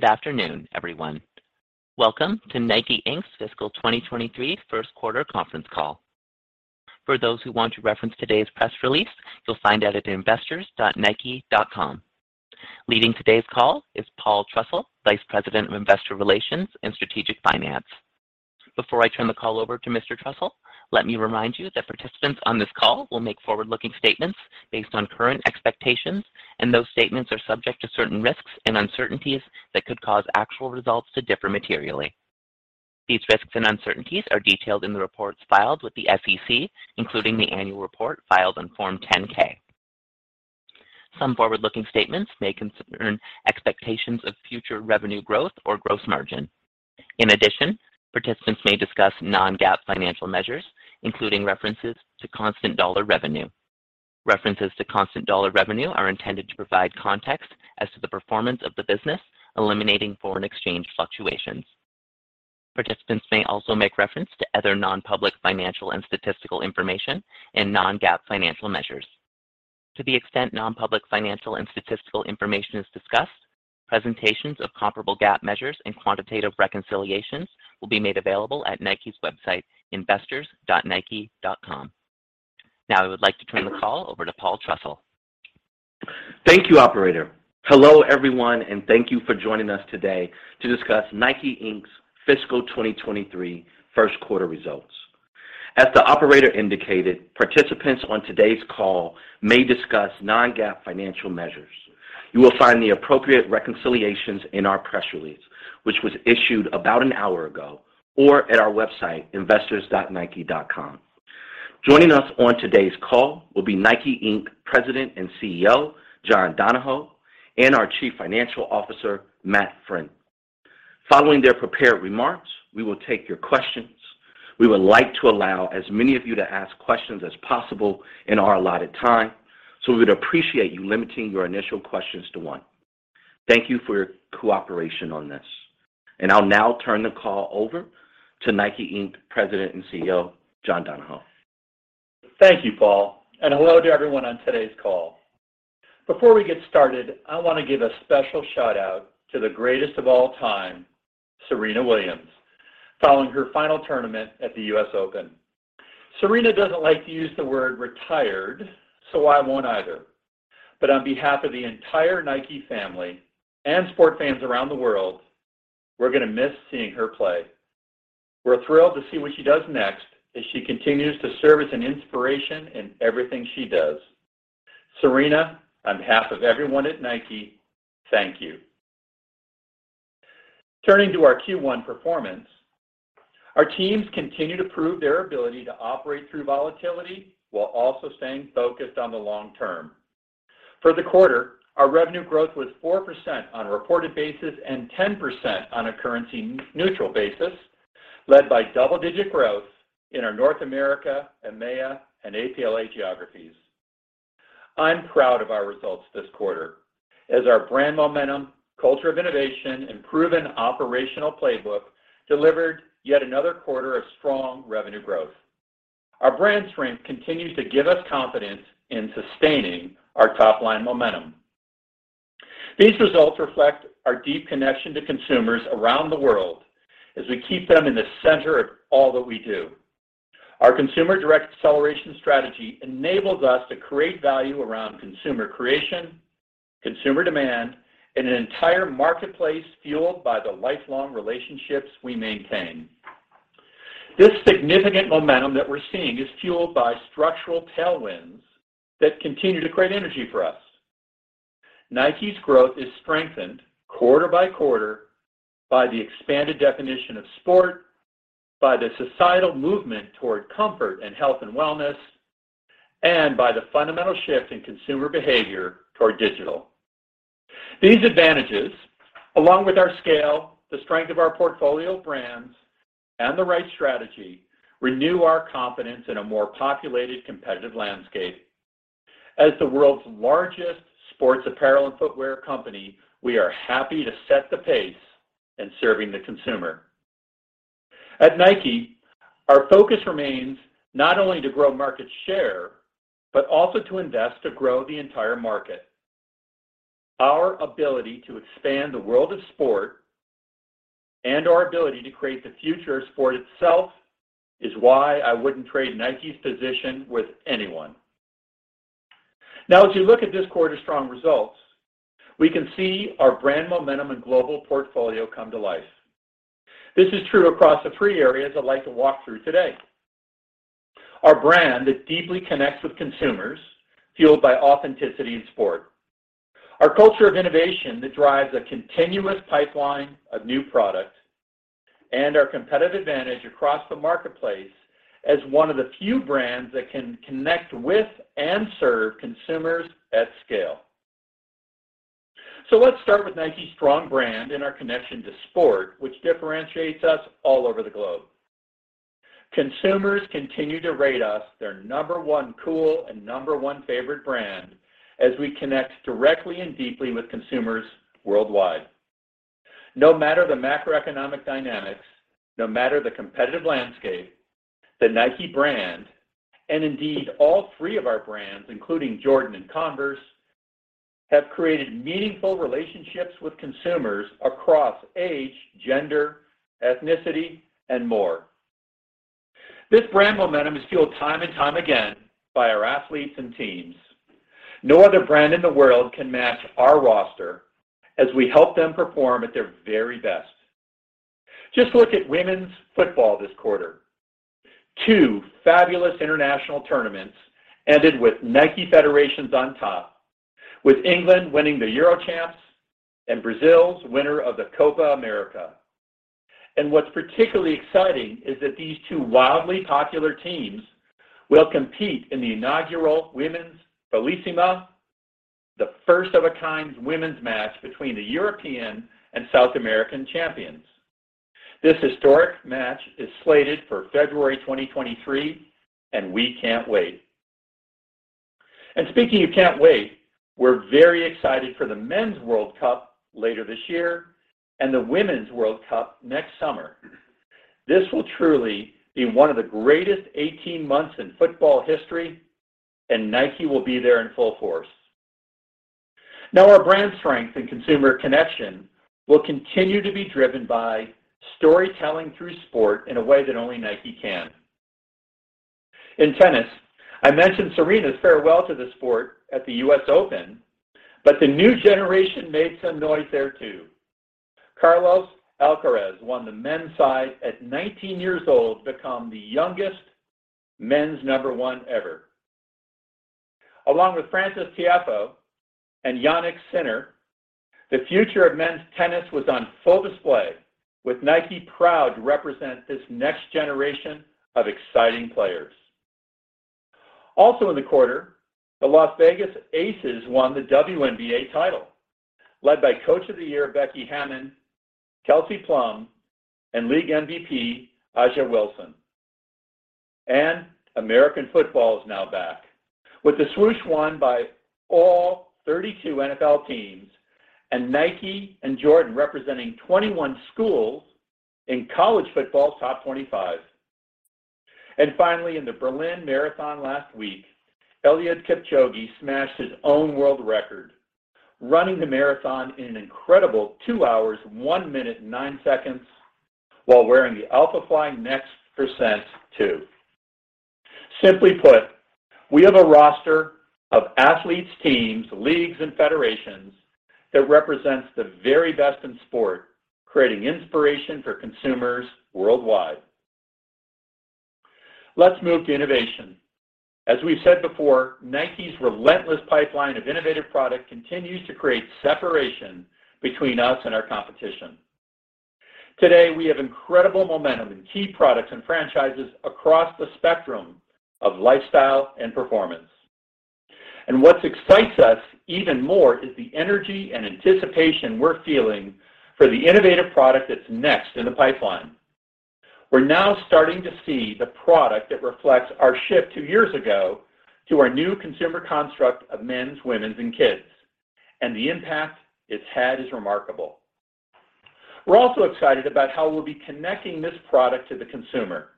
Good afternoon, everyone. Welcome to Nike, Inc.'s fiscal 2023 first H2 conference call. For those who want to reference today's press release, you'll find that at investors.nike.com. Leading today's call is Paul Trussell, Vice President of Investor Relations and Strategic Finance. Before I turn the call over to Mr. Trussell, let me remind you that participants on this call will make forward-looking statements based on current expectations, and those statements are subject to certain risks and uncertainties that could cause actual results to differ materially. These risks and uncertainties are detailed in the reports filed with the SEC, including the annual report filed on Form 10-K. Some forward-looking statements may concern expectations of future revenue growth or gross margin. In addition, participants may discuss non-GAAP financial measures, including references to constant dollar revenue. References to constant dollar revenue are intended to provide context as to the performance of the business, eliminating foreign exchange fluctuations. Participants may also make reference to other non-public financial and statistical information and non-GAAP financial measures. To the extent non-public financial and statistical information is discussed, presentations of comparable GAAP measures and quantitative reconciliations will be made available at Nike's website, investors.nike.com. Now I would like to turn the call over to Paul Trussell. Thank you, operator. Hello, everyone, and thank you for joining us today to discuss Nike, Inc.'s fiscal 2023 Q1 results. As the operator indicated, participants on today's call may discuss non-GAAP financial measures. You will find the appropriate reconciliations in our press release, which was issued about an hour ago, or at our website, investors.nike.com. Joining us on today's call will be Nike, Inc. President and CEO, John Donahoe, and our Chief Financial Officer, Matt Friend. Following their prepared remarks, we will take your questions. We would like to allow as many of you to ask questions as possible in our allotted time, so we would appreciate you limiting your initial questions to one. Thank you for your cooperation on this. I'll now turn the call over to Nike, Inc. President and CEO, John Donahoe. Thank you, Paul, and hello to everyone on today's call. Before we get started, I want to give a special shout-out to the greatest of all time, Serena Williams, following her final tournament at the U.S. Open. Serena doesn't like to use the word "retired," so I won't either. On behalf of the entire Nike family and sport fans around the world, we're going to miss seeing her play. We're thrilled to see what she does next as she continues to serve as an inspiration in everything she does. Serena, on behalf of everyone at Nike, thank you. Turning to our Q1 performance, our teams continue to prove their ability to operate through volatility while also staying focused on the long term. For the quarter, our revenue growth was 4% on a reported basis and 10% on a currency neutral basis, led by double-digit growth in our North America, EMEA, and APLA geographies. I'm proud of our results this quarter as our brand momentum, culture of innovation, and proven operational playbook delivered yet another quarter of strong revenue growth. Our brand strength continues to give us confidence in sustaining our top-line momentum. These results reflect our deep connection to consumers around the world as we keep them in the center of all that we do. Our consumer direct acceleration strategy enables us to create value around consumer creation, consumer demand, and an entire marketplace fueled by the lifelong relationships we maintain. This significant momentum that we're seeing is fueled by structural tailwinds that continue to create energy for us. Nike's growth is strengthened quarter by quarter by the expanded definition of sport, by the societal movement toward comfort and health and wellness, and by the fundamental shift in consumer behavior toward digital. These advantages, along with our scale, the strength of our portfolio of brands, and the right strategy, renew our confidence in a more populated, competitive landscape. As the world's largest sports apparel and footwear company, we are happy to set the pace in serving the consumer. At Nike, our focus remains not only to grow market share, but also to invest to grow the entire market. Our ability to expand the world of sport and our ability to create the future of sport itself is why I wouldn't trade Nike's position with anyone. Now, as you look at this quarter's strong results, we can see our brand momentum and global portfolio come to life. This is true across the three areas I'd like to walk through today. Our brand that deeply connects with consumers, fueled by authenticity and sport. Our culture of innovation that drives a continuous pipeline of new product. Our competitive advantage across the marketplace as one of the few brands that can connect with and serve consumers at scale. Let's start with Nike's strong brand and our connection to sport, which differentiates us all over the globe. Consumers continue to rate us their number one cool and number one favorite brand as we connect directly and deeply with consumers worldwide. No matter the macroeconomic dynamics, no matter the competitive landscape. The Nike brand, and indeed all three of our brands, including Jordan and Converse, have created meaningful relationships with consumers across age, gender, ethnicity, and more. This brand momentum is fueled time and time again by our athletes and teams. No other brand in the world can match our roster as we help them perform at their very best. Just look at women's football this quarter. Two fabulous international tournaments ended with Nike Federations on top, with England winning the Euro Champs and Brazil's winner of the Copa América. What's particularly exciting is that these two wildly popular teams will compete in the inaugural Women's Finalissima, the first of a kind women's match between the European and South American champions. This historic match is slated for February 2023, and we can't wait. Speaking of can't wait, we're very excited for the Men's World Cup later this year and the Women's World Cup next summer. This will truly be one of the greatest 18 months in football history, and Nike will be there in full force. Now, our brand strength and consumer connection will continue to be driven by storytelling through sport in a way that only Nike can. In tennis, I mentioned Serena's farewell to the sport at the U.S. Open, but the new generation made some noise there, too. Carlos Alcaraz won the men's side at 19 years old, becoming the youngest men's number one ever. Along with Frances Tiafoe and Jannik Sinner, the future of men's tennis was on full display with Nike proud to represent this next generation of exciting players. Also in the quarter, the Las Vegas Aces won the WNBA title led by Coach of the Year Becky Hammon, Kelsey Plum and League MVP A'ja Wilson. American football is now back with the Swoosh worn by all 32 NFL teams and Nike and Jordan representing 21 schools in college football's top 25. Finally, in the Berlin Marathon last week, Eliud Kipchoge smashed his own world record, running the marathon in an incredible 2 hours, 1 minute and 9 seconds while wearing the Alphafly NEXT% 2. Simply put, we have a roster of athletes, teams, leagues and federations that represents the very best in sport, creating inspiration for consumers worldwide. Let's move to innovation. As we've said before, Nike's relentless pipeline of innovative product continues to create separation between us and our competition. Today, we have incredible momentum in key products and franchises across the spectrum of lifestyle and performance. What excites us even more is the energy and anticipation we're feeling for the innovative product that's next in the pipeline. We're now starting to see the product that reflects our shift two years ago to our new consumer construct of men's, women's and kids. The impact it's had is remarkable. We're also excited about how we'll be connecting this product to the consumer.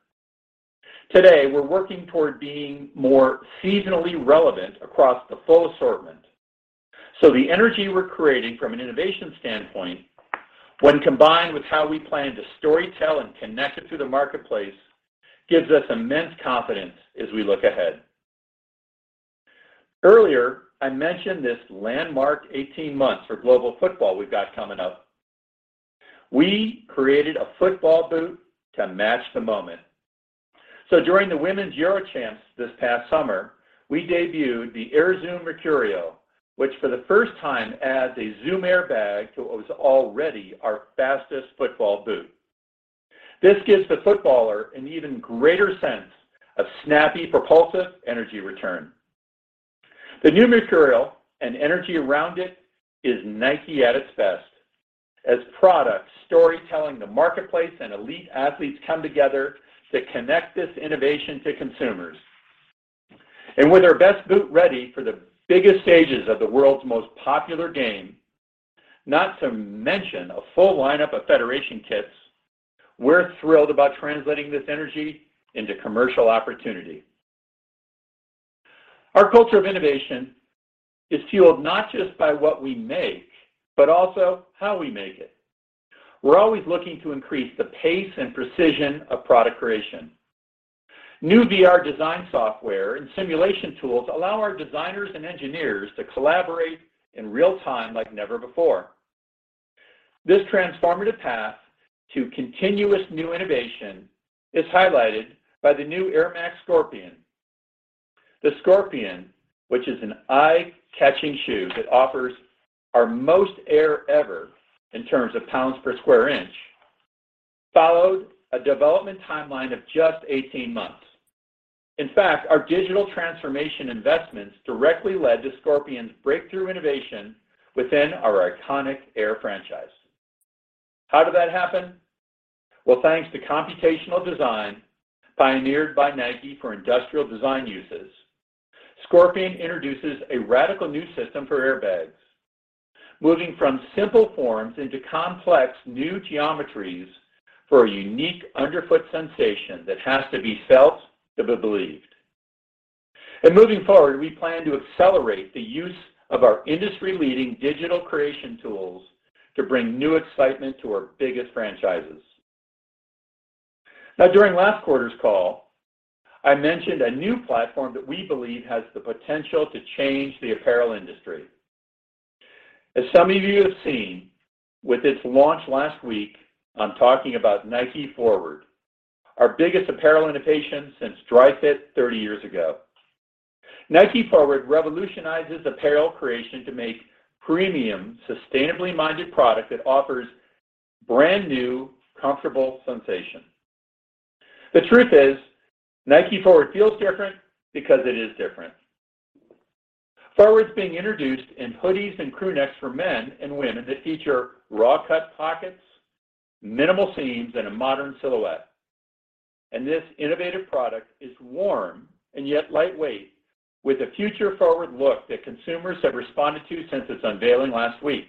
Today, we're working toward being more seasonally relevant across the full assortment. The energy we're creating from an innovation standpoint, when combined with how we plan to storytell and connect it to the marketplace, gives us immense confidence as we look ahead. Earlier, I mentioned this landmark 18 months for global football we've got coming up. We created a football boot to match the moment. During the Women's Euro Champs this past summer, we debuted the Air Zoom Mercurial, which for the first time adds a Zoom Air bag to what was already our fastest football boot. This gives the footballer an even greater sense of snappy, propulsive energy return. The new Mercurial and energy around it is Nike at its best as product storytelling, the marketplace and elite athletes come together to connect this innovation to consumers. With our best boot ready for the biggest stages of the world's most popular game, not to mention a full lineup of federation kits, we're thrilled about translating this energy into commercial opportunity. Our culture of innovation is fueled not just by what we make, but also how we make it. We're always looking to increase the pace and precision of product creation. New VR design software and simulation tools allow our designers and engineers to collaborate in real time like never before. This transformative path to continuous new innovation is highlighted by the new Air Max Scorpion. The Scorpion, which is an eye-catching shoe that offers our most air ever in terms of pounds per square inch, followed a development timeline of just 18 months. In fact, our digital transformation investments directly led to Scorpion's breakthrough innovation within our iconic Air franchise. How did that happen? Well, thanks to computational design pioneered by Nike for industrial design uses, Scorpion introduces a radical new system for airbags. Moving from simple forms into complex new geometries for a unique underfoot sensation that has to be felt to be believed. Moving forward, we plan to accelerate the use of our industry-leading digital creation tools to bring new excitement to our biggest franchises. Now, during last quarter's call, I mentioned a new platform that we believe has the potential to change the apparel industry. As some of you have seen with its launch last week, I'm talking about Nike Forward, our biggest apparel innovation since Dri-FIT thirty years ago. Nike Forward revolutionizes apparel creation to make premium, sustainably-minded product that offers brand-new comfortable sensation. The truth is, Nike Forward feels different because it is different. Forward's being introduced in hoodies and crew necks for men and women that feature raw cut pockets, minimal seams, and a modern silhouette. This innovative product is warm and yet lightweight with a future-forward look that consumers have responded to since its unveiling last week.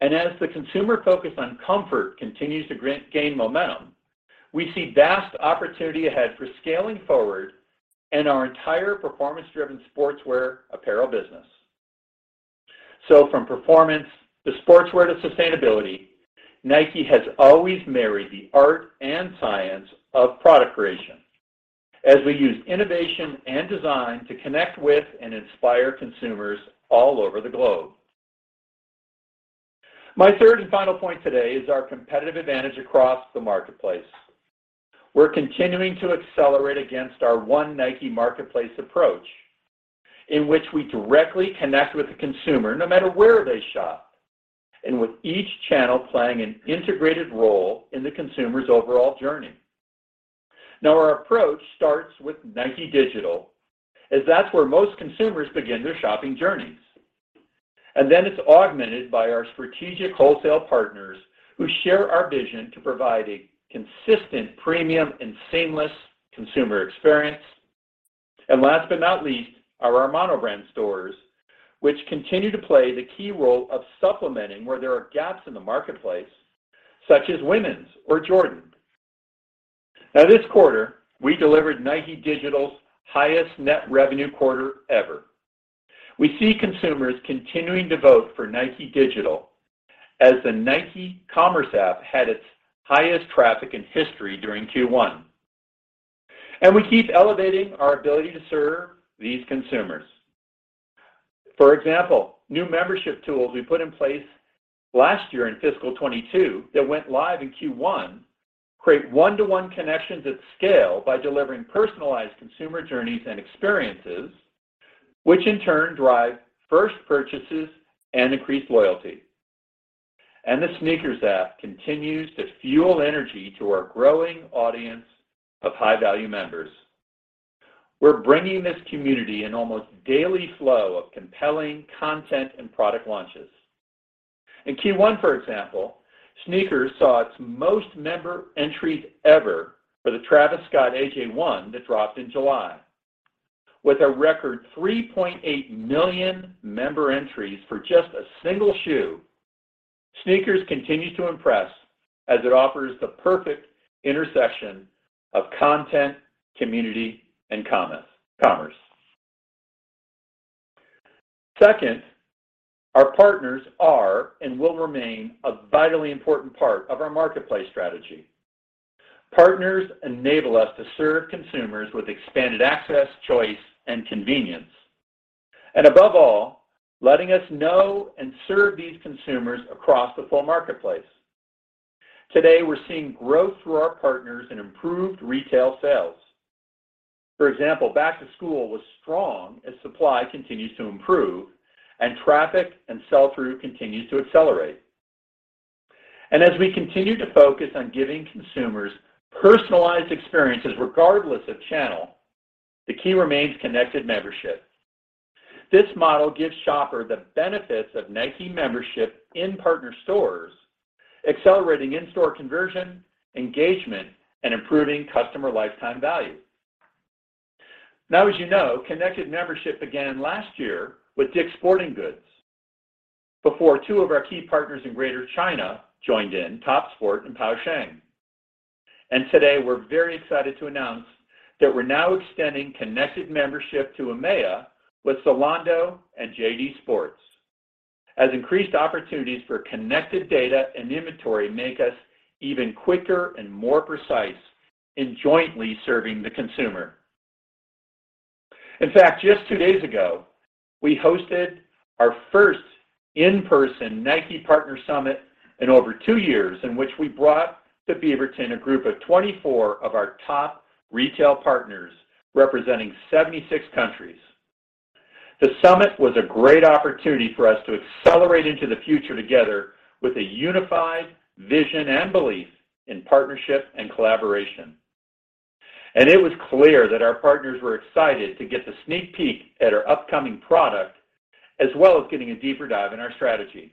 As the consumer focus on comfort continues to gain momentum, we see vast opportunity ahead for scaling Forward and our entire performance-driven sportswear apparel business. From performance to sportswear to sustainability, Nike has always married the art and science of product creation as we use innovation and design to connect with and inspire consumers all over the globe. My third and final point today is our competitive advantage across the marketplace. We're continuing to accelerate against our one Nike marketplace approach in which we directly connect with the consumer no matter where they shop and with each channel playing an integrated role in the consumer's overall journey. Now, our approach starts with Nike Digital, as that's where most consumers begin their shopping journeys. It's augmented by our strategic wholesale partners who share our vision to provide a consistent, premium, and seamless consumer experience. Last but not least, are our mono brand stores, which continue to play the key role of supplementing where there are gaps in the marketplace, such as women's or Jordan. Now this quarter, we delivered Nike Digital's highest net revenue quarter ever. We see consumers continuing to vote for Nike Digital as the Nike commerce app had its highest traffic in history during Q1. We keep elevating our ability to serve these consumers. For example, new membership tools we put in place last year in fiscal 2022 that went live in Q1 create one-to-one connections at scale by delivering personalized consumer journeys and experiences, which in turn drive first purchases and increased loyalty. The SNKRS app continues to fuel energy to our growing audience of high-value members. We're bringing this community an almost daily flow of compelling content and product launches. In Q1, for example, SNKRS saw its most member entries ever for the Travis Scott AJ1 that dropped in July. With a record 3.8 million member entries for just a single shoe, SNKRS continues to impress as it offers the perfect intersection of content, community, and commerce. Second, our partners are and will remain a vitally important part of our marketplace strategy. Partners enable us to serve consumers with expanded access, choice, and convenience, and above all, letting us know and serve these consumers across the full marketplace. Today, we're seeing growth through our partners in improved retail sales. For example, back to school was strong as supply continues to improve and traffic and sell-through continues to accelerate. As we continue to focus on giving consumers personalized experiences regardless of channel, the key remains Connected Membership. This model gives shopper the benefits of Nike Membership in partner stores, accelerating in-store conversion, engagement, and improving customer lifetime value. Now, as you know, Connected Membership began last year with DICK'S Sporting Goods before two of our key partners in Greater China joined in, Topsports and Pou Sheng. Today, we're very excited to announce that we're now extending Connected Membership to EMEA with Zalando and JD Sports as increased opportunities for connected data and inventory make us even quicker and more precise in jointly serving the consumer. In fact, just two days ago, we hosted our first in-person Nike Partner Summit in over two years in which we brought to Beaverton a group of 24 of our top retail partners representing 76 countries. The summit was a great opportunity for us to accelerate into the future together with a unified vision and belief in partnership and collaboration. It was clear that our partners were excited to get the sneak peek at our upcoming product, as well as getting a deeper dive in our strategy.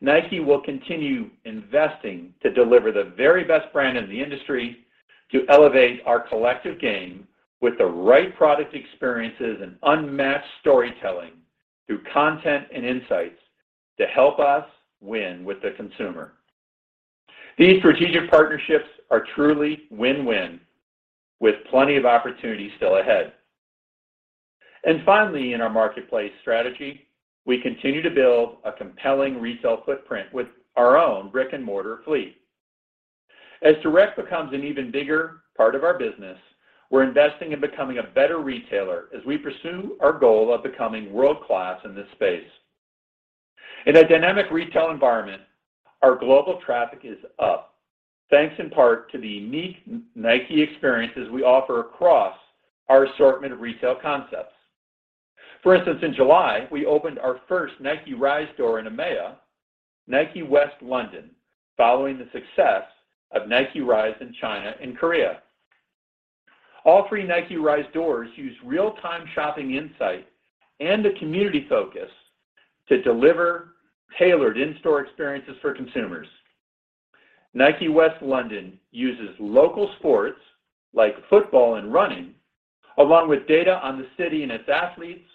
Nike will continue investing to deliver the very best brand in the industry to elevate our collective game with the right product experiences and unmatched storytelling through content and insights to help us win with the consumer. These strategic partnerships are truly win-win with plenty of opportunities still ahead. Finally, in our marketplace strategy, we continue to build a compelling retail footprint with our own brick-and-mortar fleet. As direct becomes an even bigger part of our business, we're investing in becoming a better retailer as we pursue our goal of becoming world-class in this space. In a dynamic retail environment, our global traffic is up, thanks in part to the unique Nike experiences we offer across our assortment of retail concepts. For instance, in July, we opened our first Nike Rise store in EMEA, Nike West London, following the success of Nike Rise in China and Korea. All three Nike Rise stores use real-time shopping insight and a community focus to deliver tailored in-store experiences for consumers. Nike West London uses local sports like football and running, along with data on the city and its athletes,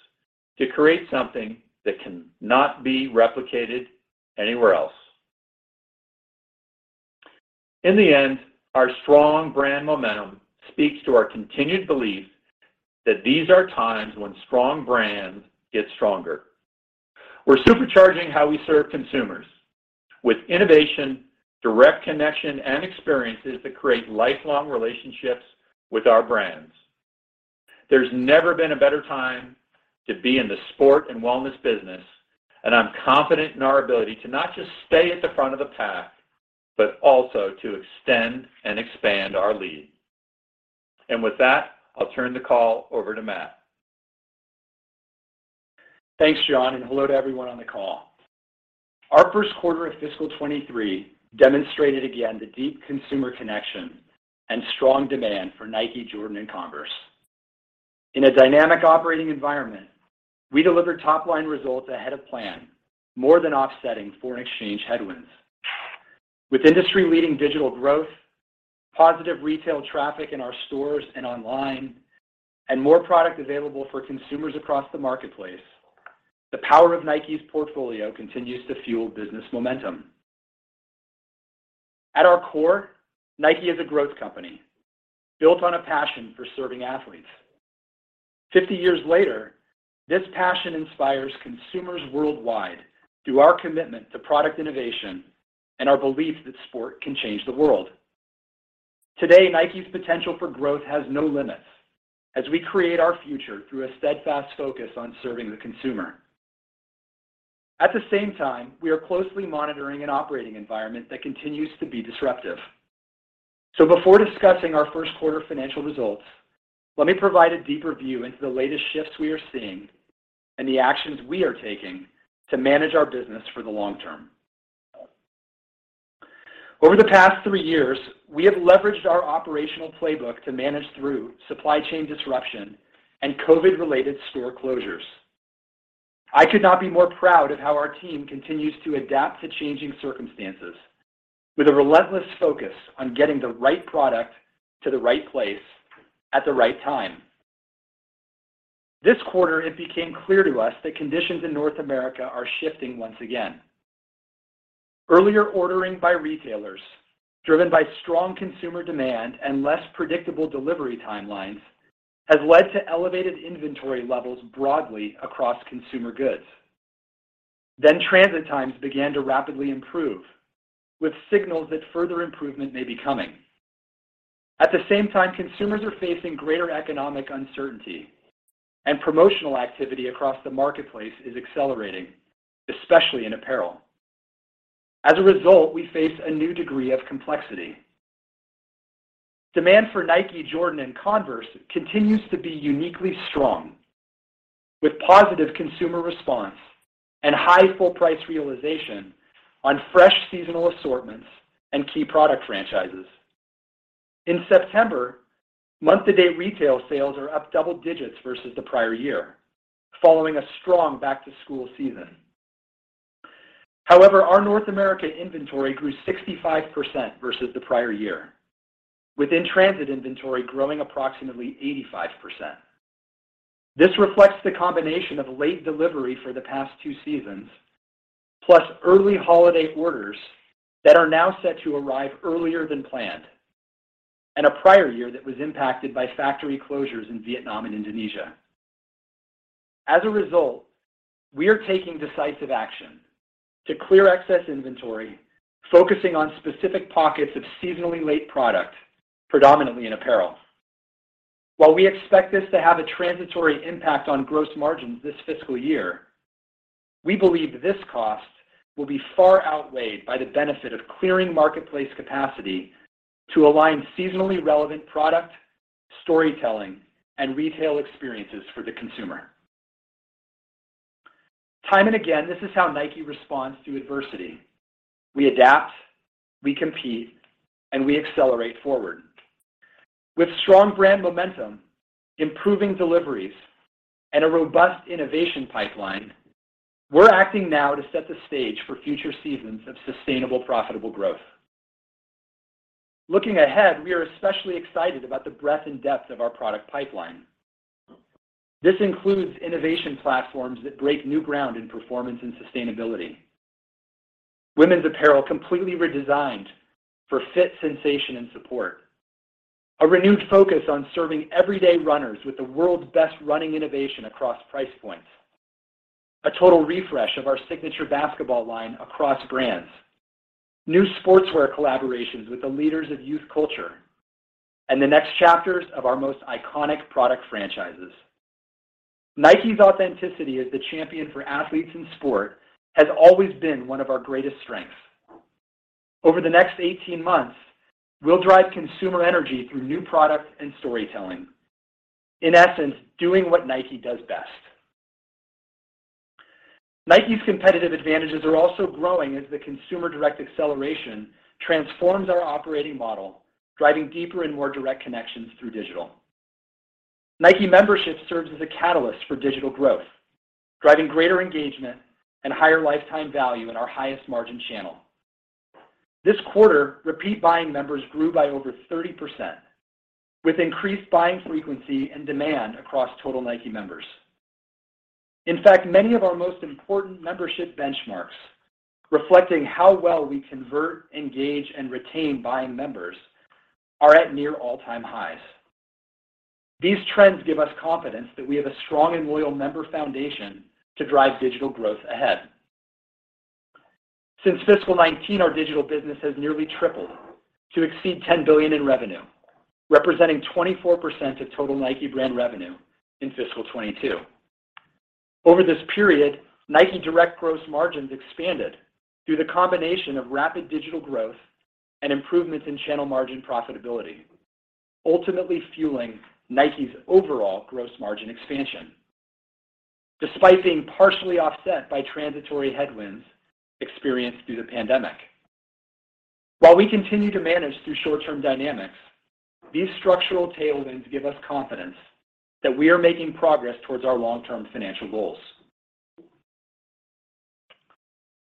to create something that cannot be replicated anywhere else. In the end, our strong brand momentum speaks to our continued belief that these are times when strong brands get stronger. We're supercharging how we serve consumers with innovation, direct connection, and experiences that create lifelong relationships with our brands. There's never been a better time to be in the sport and wellness business, and I'm confident in our ability to not just stay at the front of the pack, but also to extend and expand our lead. With that, I'll turn the call over to Matt. Thanks, John, and hello to everyone on the call. Our Q1 of fiscal 2023 demonstrated again the deep consumer connection and strong demand for Nike, Jordan, and Converse. In a dynamic operating environment, we delivered top-line results ahead of plan, more than offsetting foreign exchange headwinds. With industry-leading digital growth, positive retail traffic in our stores and online, and more product available for consumers across the marketplace, the power of Nike's portfolio continues to fuel business momentum. At our core, Nike is a growth company built on a passion for serving athletes. 50 years later, this passion inspires consumers worldwide through our commitment to product innovation and our belief that sport can change the world. Today, Nike's potential for growth has no limits as we create our future through a steadfast focus on serving the consumer. At the same time, we are closely monitoring an operating environment that continues to be disruptive. Before discussing our Q1 financial results, let me provide a deeper view into the latest shifts we are seeing and the actions we are taking to manage our business for the long term. Over the past three years, we have leveraged our operational playbook to manage through supply chain disruption and COVID-related store closures. I could not be more proud of how our team continues to adapt to changing circumstances with a relentless focus on getting the right product to the right place at the right time. This quarter, it became clear to us that conditions in North America are shifting once again. Earlier ordering by retailers, driven by strong consumer demand and less predictable delivery timelines, has led to elevated inventory levels broadly across consumer goods. Transit times began to rapidly improve with signals that further improvement may be coming. At the same time, consumers are facing greater economic uncertainty, and promotional activity across the marketplace is accelerating, especially in apparel. As a result, we face a new degree of complexity. Demand for Nike, Jordan, and Converse continues to be uniquely strong, with positive consumer response and high full price realization on fresh seasonal assortments and key product franchises. In September, month-to-date retail sales are up double digits versus the prior year, following a strong back-to-school season. However, our North America inventory grew 65% versus the prior year, with transit inventory growing approximately 85%. This reflects the combination of late delivery for the past two seasons, plus early holiday orders that are now set to arrive earlier than planned and a prior year that was impacted by factory closures in Vietnam and Indonesia. As a result, we are taking decisive action to clear excess inventory, focusing on specific pockets of seasonally late product, predominantly in apparel. While we expect this to have a transitory impact on gross margins this fiscal year, we believe this cost will be far outweighed by the benefit of clearing marketplace capacity to align seasonally relevant product, storytelling, and retail experiences for the consumer. Time and again, this is how Nike responds to adversity. We adapt, we compete, and we accelerate forward. With strong brand momentum, improving deliveries, and a robust innovation pipeline, we're acting now to set the stage for future seasons of sustainable, profitable growth. Looking ahead, we are especially excited about the breadth and depth of our product pipeline. This includes innovation platforms that break new ground in performance and sustainability. Women's apparel completely redesigned for fit, sensation, and support. A renewed focus on serving everyday runners with the world's best running innovation across price points. A total refresh of our signature basketball line across brands. New sportswear collaborations with the leaders of youth culture, and the next chapters of our most iconic product franchises. Nike's authenticity as the champion for athletes in sport has always been one of our greatest strengths. Over the next eighteen months, we'll drive consumer energy through new products and storytelling. In essence, doing what Nike does best. Nike's competitive advantages are also growing as the consumer direct acceleration transforms our operating model, driving deeper and more direct connections through digital. Nike Membership serves as a catalyst for digital growth, driving greater engagement and higher lifetime value in our highest margin channel. This quarter, repeat buying members grew by over 30%, with increased buying frequency and demand across total Nike members. In fact, many of our most important membership benchmarks reflecting how well we convert, engage, and retain buying members are at near all-time highs. These trends give us confidence that we have a strong and loyal member foundation to drive digital growth ahead. Since fiscal 2019, our digital business has nearly tripled to exceed $10 billion in revenue, representing 24% of total Nike brand revenue in fiscal 2022. Over this period, Nike Direct gross margins expanded through the combination of rapid digital growth and improvements in channel margin profitability, ultimately fueling Nike's overall gross margin expansion despite being partially offset by transitory headwinds experienced through the pandemic. While we continue to manage through short-term dynamics, these structural tailwinds give us confidence that we are making progress towards our long-term financial goals.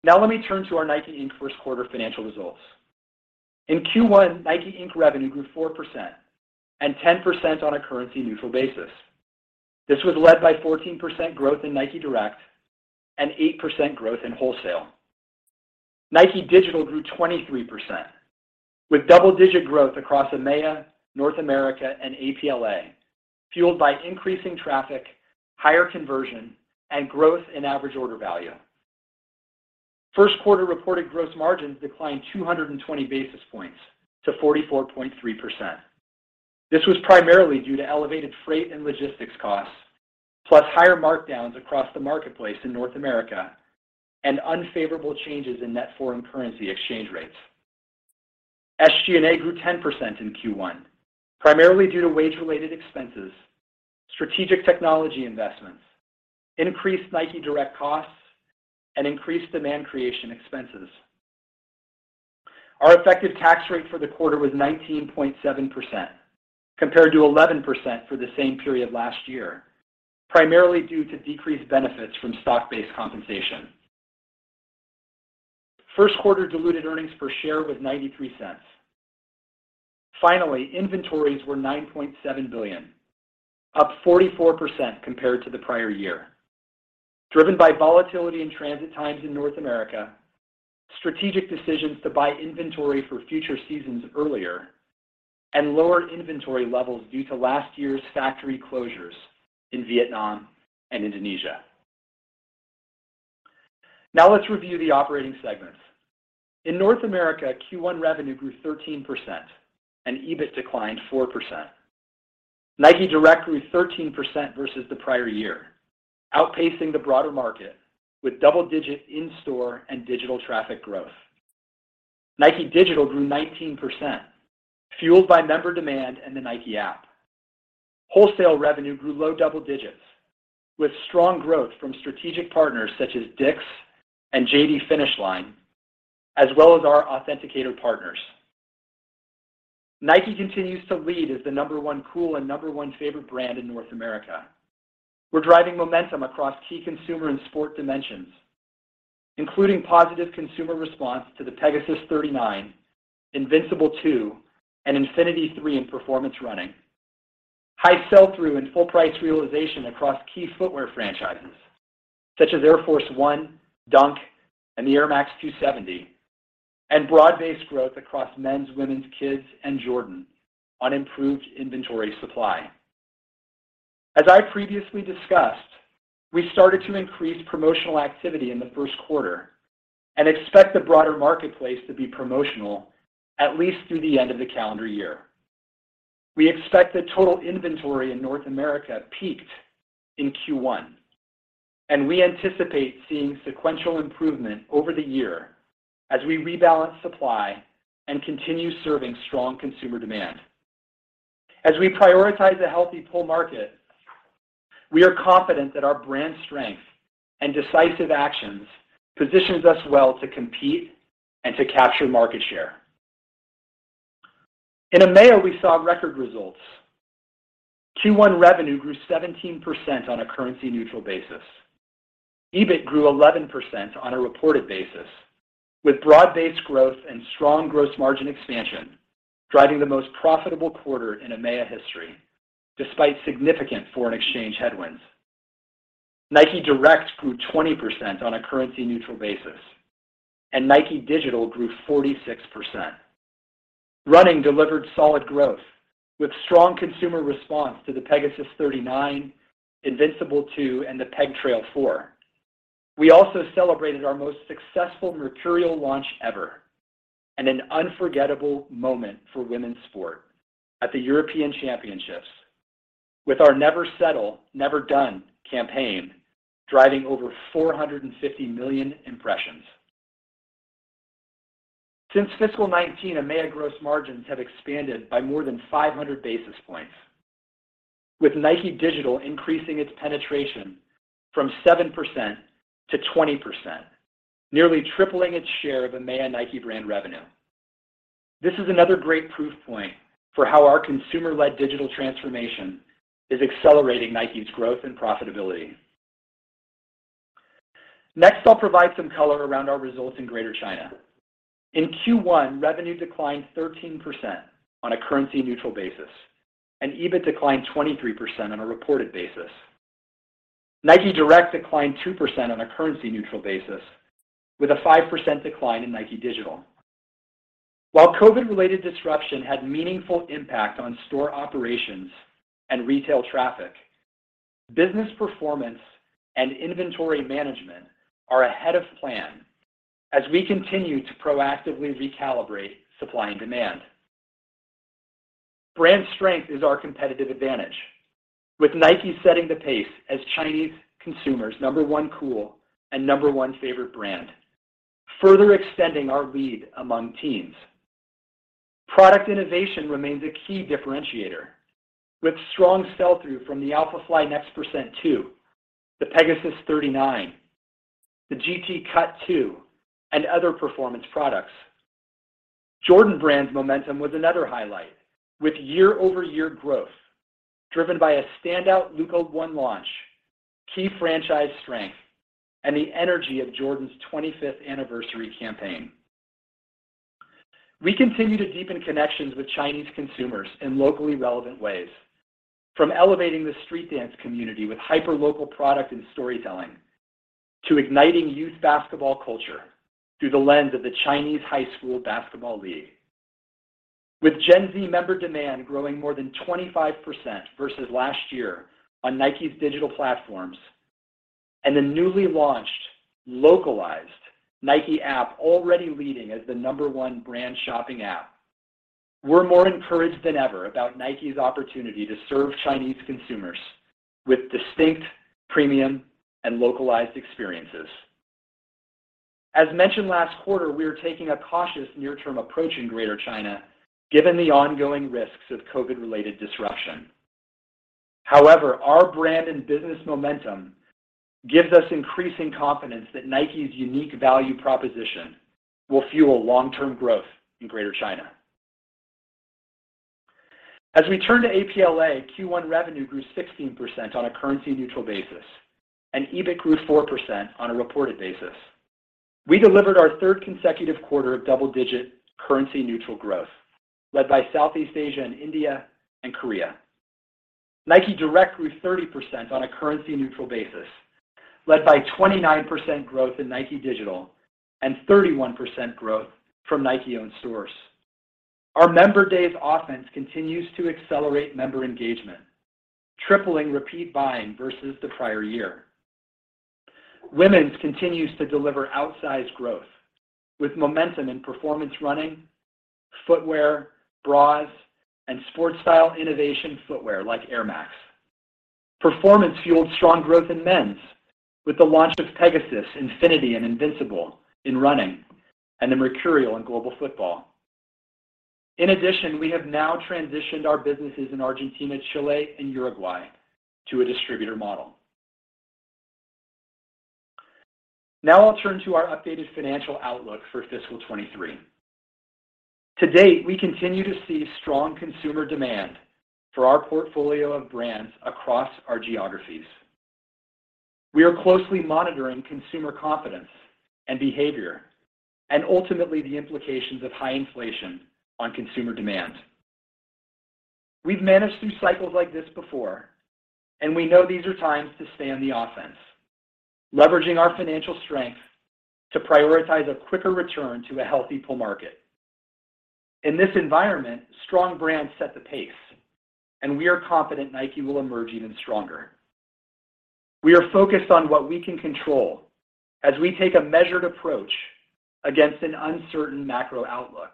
Now let me turn to our Nike, Inc. Q1 financial results. In Q1, Nike, Inc. Revenue grew 4% and 10% on a currency-neutral basis. This was led by 14% growth in Nike Direct and 8% growth in wholesale. Nike Digital grew 23%, with double-digit growth across EMEA, North America, and APLA, fueled by increasing traffic, higher conversion, and growth in average order value. First-quarter reported gross margins declined 220 basis points to 44.3%. This was primarily due to elevated freight and logistics costs, plus higher markdowns across the marketplace in North America, and unfavorable changes in net foreign currency exchange rates. SG&A grew 10% in Q1, primarily due to wage-related expenses, strategic technology investments, increased Nike Direct costs, and increased demand creation expenses. Our effective tax rate for the quarter was 19.7% compared to 11% for the same period last year, primarily due to decreased benefits from stock-based compensation. Q1 diluted earnings per share was $0.93. Finally, inventories were $9.7 billion, up 44% compared to the prior year, driven by volatility in transit times in North America, strategic decisions to buy inventory for future seasons earlier, and lower inventory levels due to last year's factory closures in Vietnam and Indonesia. Now let's review the operating segments. In North America, Q1 revenue grew 13% and EBIT declined 4%. Nike Direct grew 13% versus the prior year, outpacing the broader market with double-digit in-store and digital traffic growth. Nike Digital grew 19%, fueled by member demand and the Nike app. Wholesale revenue grew low double digits with strong growth from strategic partners such as DICK'S and Finish Line, as well as our differentiated partners. Nike continues to lead as the number one cool and number one favorite brand in North America. We're driving momentum across key consumer and sport dimensions, including positive consumer response to the Pegasus 39, Invincible 2, and Infinity 3 in performance running. High sell-through and full price realization across key footwear franchises such as Air Force 1, Dunk, and the Air Max 270, and broad-based growth across men's, women's, kids, and Jordan on improved inventory supply. As I previously discussed, we started to increase promotional activity in the Q1 and expect the broader marketplace to be promotional at least through the end of the calendar year. We expect that total inventory in North America peaked in Q1, and we anticipate seeing sequential improvement over the year as we rebalance supply and continue serving strong consumer demand. As we prioritize a healthy pull market. We are confident that our brand strength and decisive actions positions us well to compete and to capture market share. In EMEA, we saw record results. Q1 revenue grew 17% on a currency neutral basis. EBIT grew 11% on a reported basis, with broad-based growth and strong gross margin expansion, driving the most profitable quarter in EMEA history despite significant foreign exchange headwinds. Nike Direct grew 20% on a currency neutral basis, and Nike Digital grew 46%. Running delivered solid growth with strong consumer response to the Pegasus 39, Invincible 2, and the Pegasus Trail 4. We also celebrated our most successful Mercurial launch ever and an unforgettable moment for women's sport at the European Championships with our Never Settle, Never Done campaign, driving over 450 million impressions. Since fiscal 2019, EMEA gross margins have expanded by more than 500 basis points, with Nike Digital increasing its penetration from 7% to 20%, nearly tripling its share of EMEA Nike brand revenue. This is another great proof point for how our consumer-led digital transformation is accelerating Nike's growth and profitability. Next, I'll provide some color around our results in Greater China. In Q1, revenue declined 13% on a currency neutral basis, and EBIT declined 23% on a reported basis. Nike Direct declined 2% on a currency neutral basis with a 5% decline in Nike Digital. While COVID-related disruption had meaningful impact on store operations and retail traffic, business performance and inventory management are ahead of plan as we continue to proactively recalibrate supply and demand. Brand strength is our competitive advantage with Nike setting the pace as Chinese consumers' number one cool and number one favorite brand, further extending our lead among teens. Product innovation remains a key differentiator with strong sell-through from the Alphafly NEXT% 2, the Pegasus 39, the G.T. Cut 2, and other performance products. Jordan Brand's momentum was another highlight with year-over-year growth driven by a standout Luka 1 launch, key franchise strength, and the energy of Jordan's 25th anniversary campaign. We continue to deepen connections with Chinese consumers in locally relevant ways from elevating the street dance community with hyperlocal product and storytelling to igniting youth basketball culture through the lens of the Chinese High School Basketball League. With Gen Z member demand growing more than 25% versus last year on Nike's digital platforms and the newly launched localized Nike app already leading as the number one brand shopping app, we're more encouraged than ever about Nike's opportunity to serve Chinese consumers with distinct premium and localized experiences. As mentioned last quarter, we are taking a cautious near-term approach in Greater China given the ongoing risks of COVID-related disruption. However, our brand and business momentum gives us increasing confidence that Nike's unique value proposition will fuel long-term growth in Greater China. As we turn to APLA, Q1 revenue grew 16% on a currency neutral basis, and EBIT grew 4% on a reported basis. We delivered our third consecutive quarter of double-digit currency neutral growth led by Southeast Asia and India and Korea. Nike Direct grew 30% on a currency-neutral basis led by 29% growth in Nike Digital and 31% growth from Nike-owned stores. Our Member Days offense continues to accelerate member engagement, tripling repeat buying versus the prior year. Women's continues to deliver outsized growth with momentum in performance running, footwear, bras, and sport style innovation footwear like Air Max. Performance fueled strong growth in men's with the launch of Pegasus, Infinity, and Invincible in running and the Mercurial in global football. In addition, we have now transitioned our businesses in Argentina, Chile, and Uruguay to a distributor model. Now I'll turn to our updated financial outlook for fiscal 2023. To date, we continue to see strong consumer demand for our portfolio of brands across our geographies. We are closely monitoring consumer confidence and behavior and ultimately the implications of high inflation on consumer demand. We've managed through cycles like this before, and we know these are times to stay on the offense, leveraging our financial strength to prioritize a quicker return to a healthy pull market. In this environment, strong brands set the pace, and we are confident Nike will emerge even stronger. We are focused on what we can control as we take a measured approach against an uncertain macro outlook.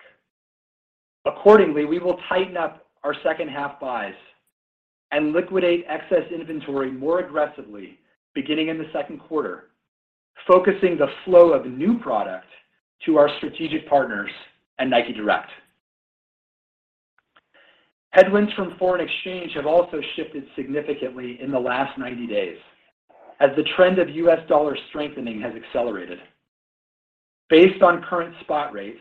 Accordingly, we will tighten up our H2 buys and liquidate excess inventory more aggressively beginning in the Q2, focusing the flow of new product to our strategic partners at Nike Direct. Headwinds from foreign exchange have also shifted significantly in the last 90 days as the trend of U.S. dollar strengthening has accelerated. Based on current spot rates,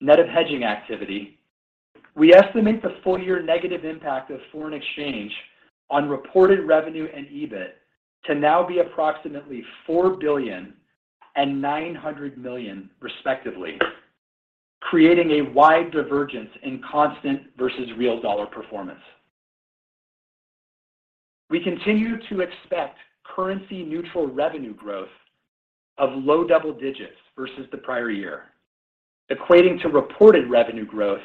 net of hedging activity, we estimate the full-year negative impact of foreign exchange on reported revenue and EBIT to now be approximately $4 billion and $900 million respectively, creating a wide divergence in constant versus real dollar performance. We continue to expect currency-neutral revenue growth of low double digits versus the prior year, equating to reported revenue growth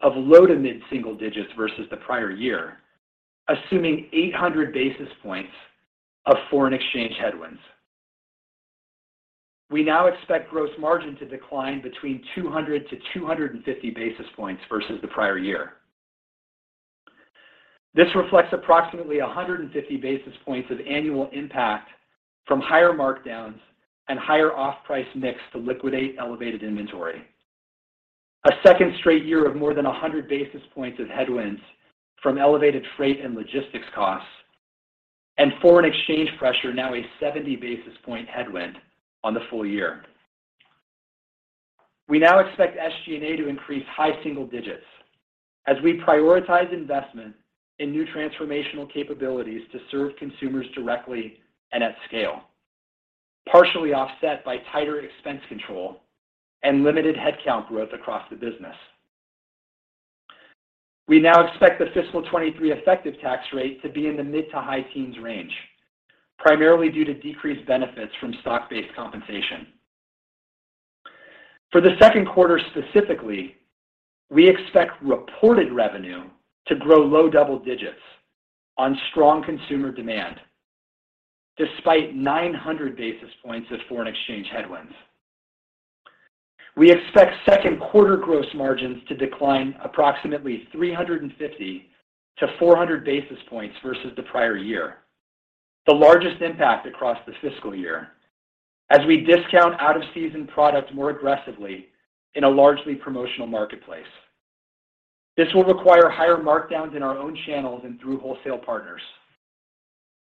of low to mid-single digits versus the prior year, assuming 800 basis points of foreign exchange headwinds. We now expect gross margin to decline between 200-250 basis points versus the prior year. This reflects approximately 150 basis points of annual impact from higher markdowns and higher off-price mix to liquidate elevated inventory. A second straight year of more than 100 basis points of headwinds from elevated freight and logistics costs and foreign exchange pressure now a 70 basis point headwind on the full year. We now expect SG&A to increase high single digits as we prioritize investment in new transformational capabilities to serve consumers directly and at scale, partially offset by tighter expense control and limited headcount growth across the business. We now expect the fiscal 2023 effective tax rate to be in the mid to high teens range, primarily due to decreased benefits from stock-based compensation. For the Q2 specifically, we expect reported revenue to grow low double digits on strong consumer demand despite 900 basis points of foreign exchange headwinds. We expect Q2 gross margins to decline approximately 350-400 basis points versus the prior year, the largest impact across the fiscal year, as we discount out-of-season products more aggressively in a largely promotional marketplace. This will require higher markdowns in our own channels and through wholesale partners.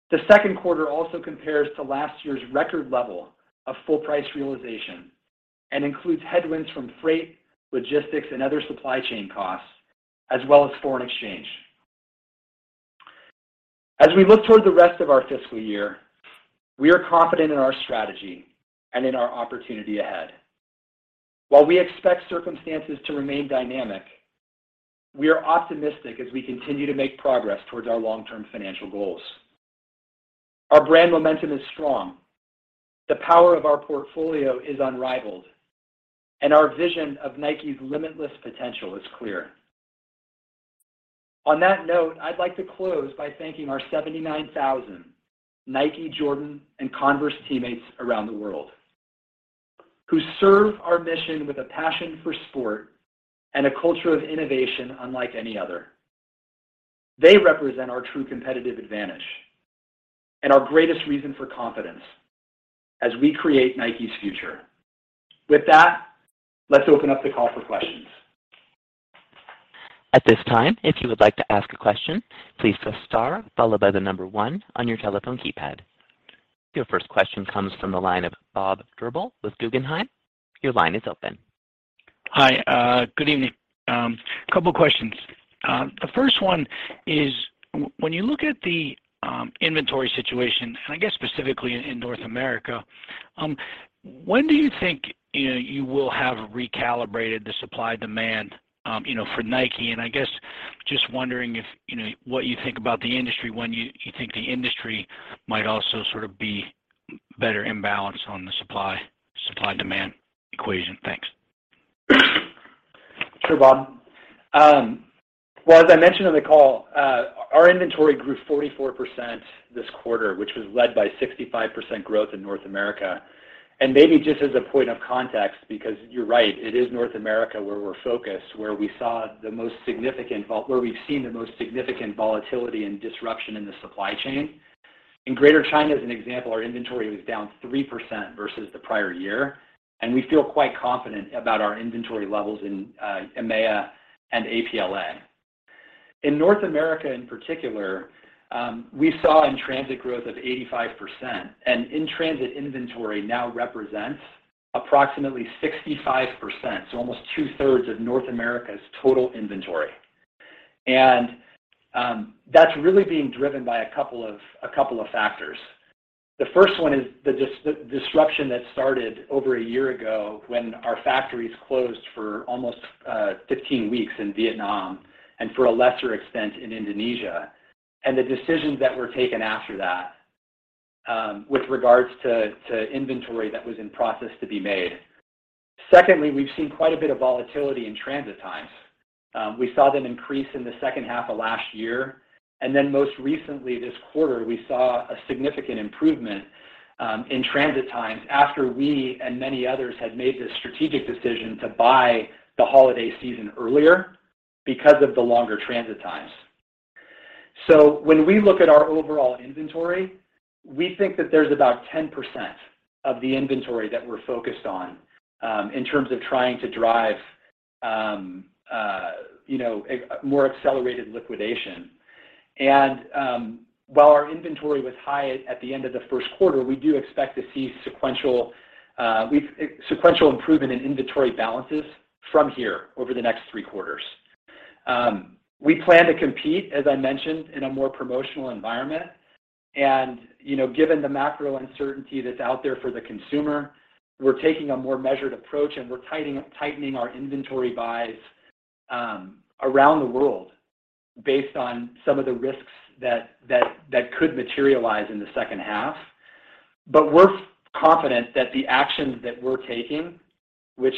The Q2 also compares to last year's record level of full price realization and includes headwinds from freight, logistics, and other supply chain costs, as well as foreign exchange. As we look toward the rest of our fiscal year, we are confident in our strategy and in our opportunity ahead. While we expect circumstances to remain dynamic, we are optimistic as we continue to make progress towards our long-term financial goals. Our brand momentum is strong. The power of our portfolio is unrivaled. Our vision of Nike's limitless potential is clear. On that note, I'd like to close by thanking our 79,000 Nike, Jordan, and Converse teammates around the world who serve our mission with a passion for sport and a culture of innovation unlike any other. They represent our true competitive advantage and our greatest reason for confidence as we create Nike's future. With that, let's open up the call for questions. At this time, if you would like to ask a question, please press star followed by the number one on your telephone keypad. Your first question comes from the line of Robert Drbul with Guggenheim. Your line is open. Hi, good evening. A couple questions. The first one is when you look at the inventory situation, and I guess specifically in North America, when do you think you will have recalibrated the supply demand for Nike? I guess just wondering what you think about the industry when you think the industry might also sort of be better in balance on the supply demand equation. Thanks. Sure, Bob. Well, as I mentioned on the call, our inventory grew 44% this quarter, which was led by 65% growth in North America. Maybe just as a point of context, because you're right, it is North America where we're focused, where we've seen the most significant volatility and disruption in the supply chain. In Greater China, as an example, our inventory was down 3% versus the prior year. We feel quite confident about our inventory levels in EMEA and APLA. In North America in particular, we saw in transit growth of 85%. In transit inventory now represents approximately 65%, so almost two thirds of North America's total inventory. That's really being driven by a couple of factors. The first one is the disruption that started over a year ago when our factories closed for almost 15 weeks in Vietnam and for a lesser extent in Indonesia and the decisions that were taken after that with regards to inventory that was in process to be made. Secondly, we've seen quite a bit of volatility in transit times. We saw that increase in the H2 of last year. Most recently this quarter, we saw a significant improvement in transit times after we and many others had made the strategic decision to buy the holiday season earlier because of the longer transit times. When we look at our overall inventory, we think that there's about 10% of the inventory that we're focused on, in terms of trying to drive a more accelerated liquidation. While our inventory was high at the end of the Q1, we do expect to see sequential improvement in inventory balances from here over the next three quarters. We plan to compete, as I mentioned, in a more promotional environment and given the macro uncertainty that's out there for the consumer, we're taking a more measured approach, and we're tightening our inventory buys around the world based on some of the risks that could materialize in the H2. We're confident that the actions that we're taking, which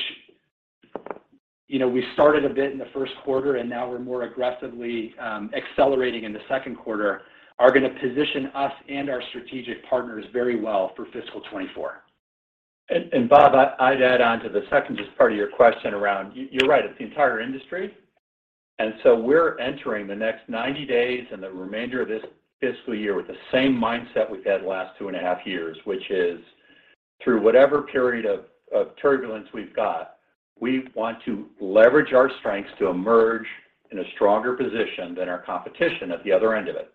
we started a bit in the Q1 and now we're more aggressively accelerating in the Q2, are gonna position us and our strategic partners very well for fiscal 2024. Bob, I'd add on to the second just part of your question around. You're right. It's the entire industry, and so we're entering the next 90 days and the remainder of this fiscal year with the same mindset we've had the last 2.5 years, which is through whatever period of turbulence we've got, we want to leverage our strengths to emerge in a stronger position than our competition at the other end of it.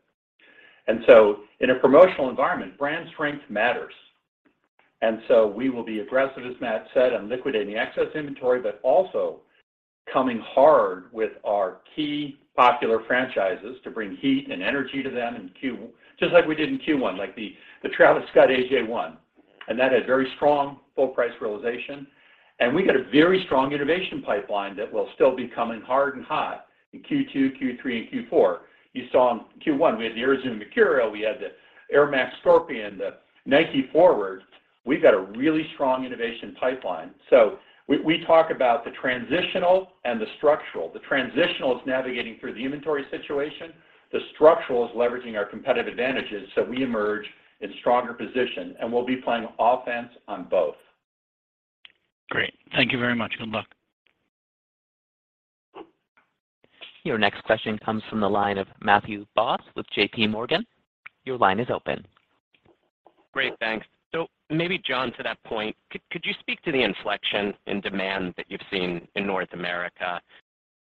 In a promotional environment, brand strength matters. We will be aggressive, as Matt said, on liquidating excess inventory, but also coming hard with our key popular franchises to bring heat and energy to them. Just like we did in Q1, like the Travis Scott AJ1, and that had very strong full price realization. We got a very strong innovation pipeline that will still be coming hard and hot in Q2, Q3, and Q4. You saw in Q1, we had the Air Zoom Mercurial, we had the Air Max Scorpion, the Nike Forward. We've got a really strong innovation pipeline. We talk about the transitional and the structural. The transitional is navigating through the inventory situation. The structural is leveraging our competitive advantages, so we emerge in stronger position, and we'll be playing offense on both. Great. Thank you very much. Good luck. Your next question comes from the line of Matthew Boss with JP Morgan. Your line is open. Great. Thanks. Maybe John, to that point, could you speak to the inflection in demand that you've seen in North America?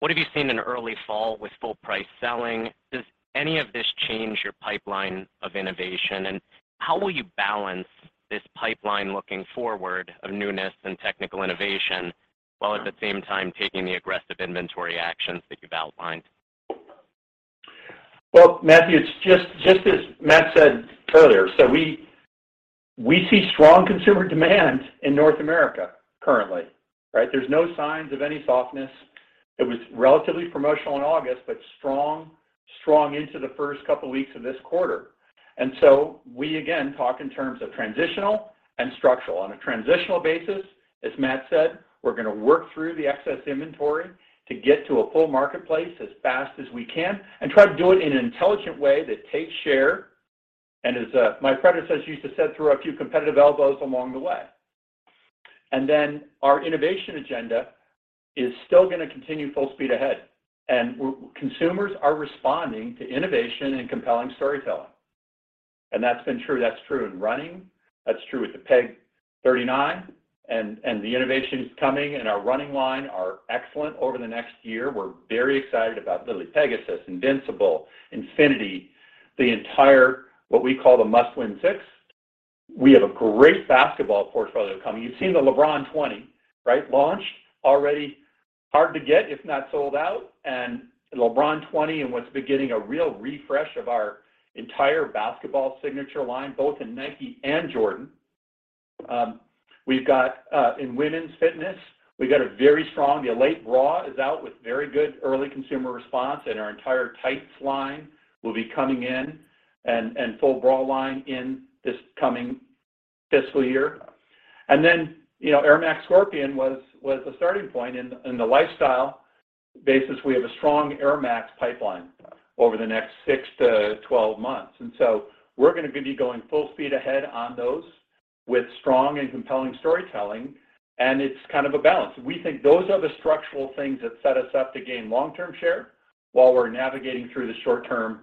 What have you seen in early fall with full price selling? Does any of this change your pipeline of innovation, and how will you balance this pipeline looking forward of newness and technical innovation while at the same time taking the aggressive inventory actions that you've outlined? Well, Matthew, it's just as Matt said earlier. We see strong consumer demand in North America currently, right? There's no signs of any softness. It was relatively promotional in August, but strong into the first couple weeks of this quarter. We again talk in terms of transitional and structural. On a transitional basis, as Matt said, we're gonna work through the excess inventory to get to a full marketplace as fast as we can and try to do it in an intelligent way that takes share and my predecessor used to said, "Throw a few competitive elbows along the way." Our innovation agenda is still gonna continue full speed ahead, and consumers are responding to innovation and compelling storytelling. That's been true. That's true in running. That's true with the Peg 39. The innovations coming in our running line are excellent over the next year. We're very excited about Pegasus, Invincible, Infinity, the entire what we call the Must Win Six. We have a great basketball portfolio coming. You've seen the LeBron 20, right? Launched, already hard to get, if not sold out. LeBron 20 and what's been getting a real refresh of our entire basketball signature line, both in Nike and Jordan. In women's fitness, we have a very strong. The Alpha Bra is out with very good early consumer response, and our entire tights line will be coming in and full bra line in this coming fiscal year. You know, Air Max Scorpion was a starting point. In the lifestyle space, we have a strong Air Max pipeline over the next six to 12 months. We're gonna be going full speed ahead on those with strong and compelling storytelling, and it's kind of a balance. We think those are the structural things that set us up to gain long-term share while we're navigating through the short term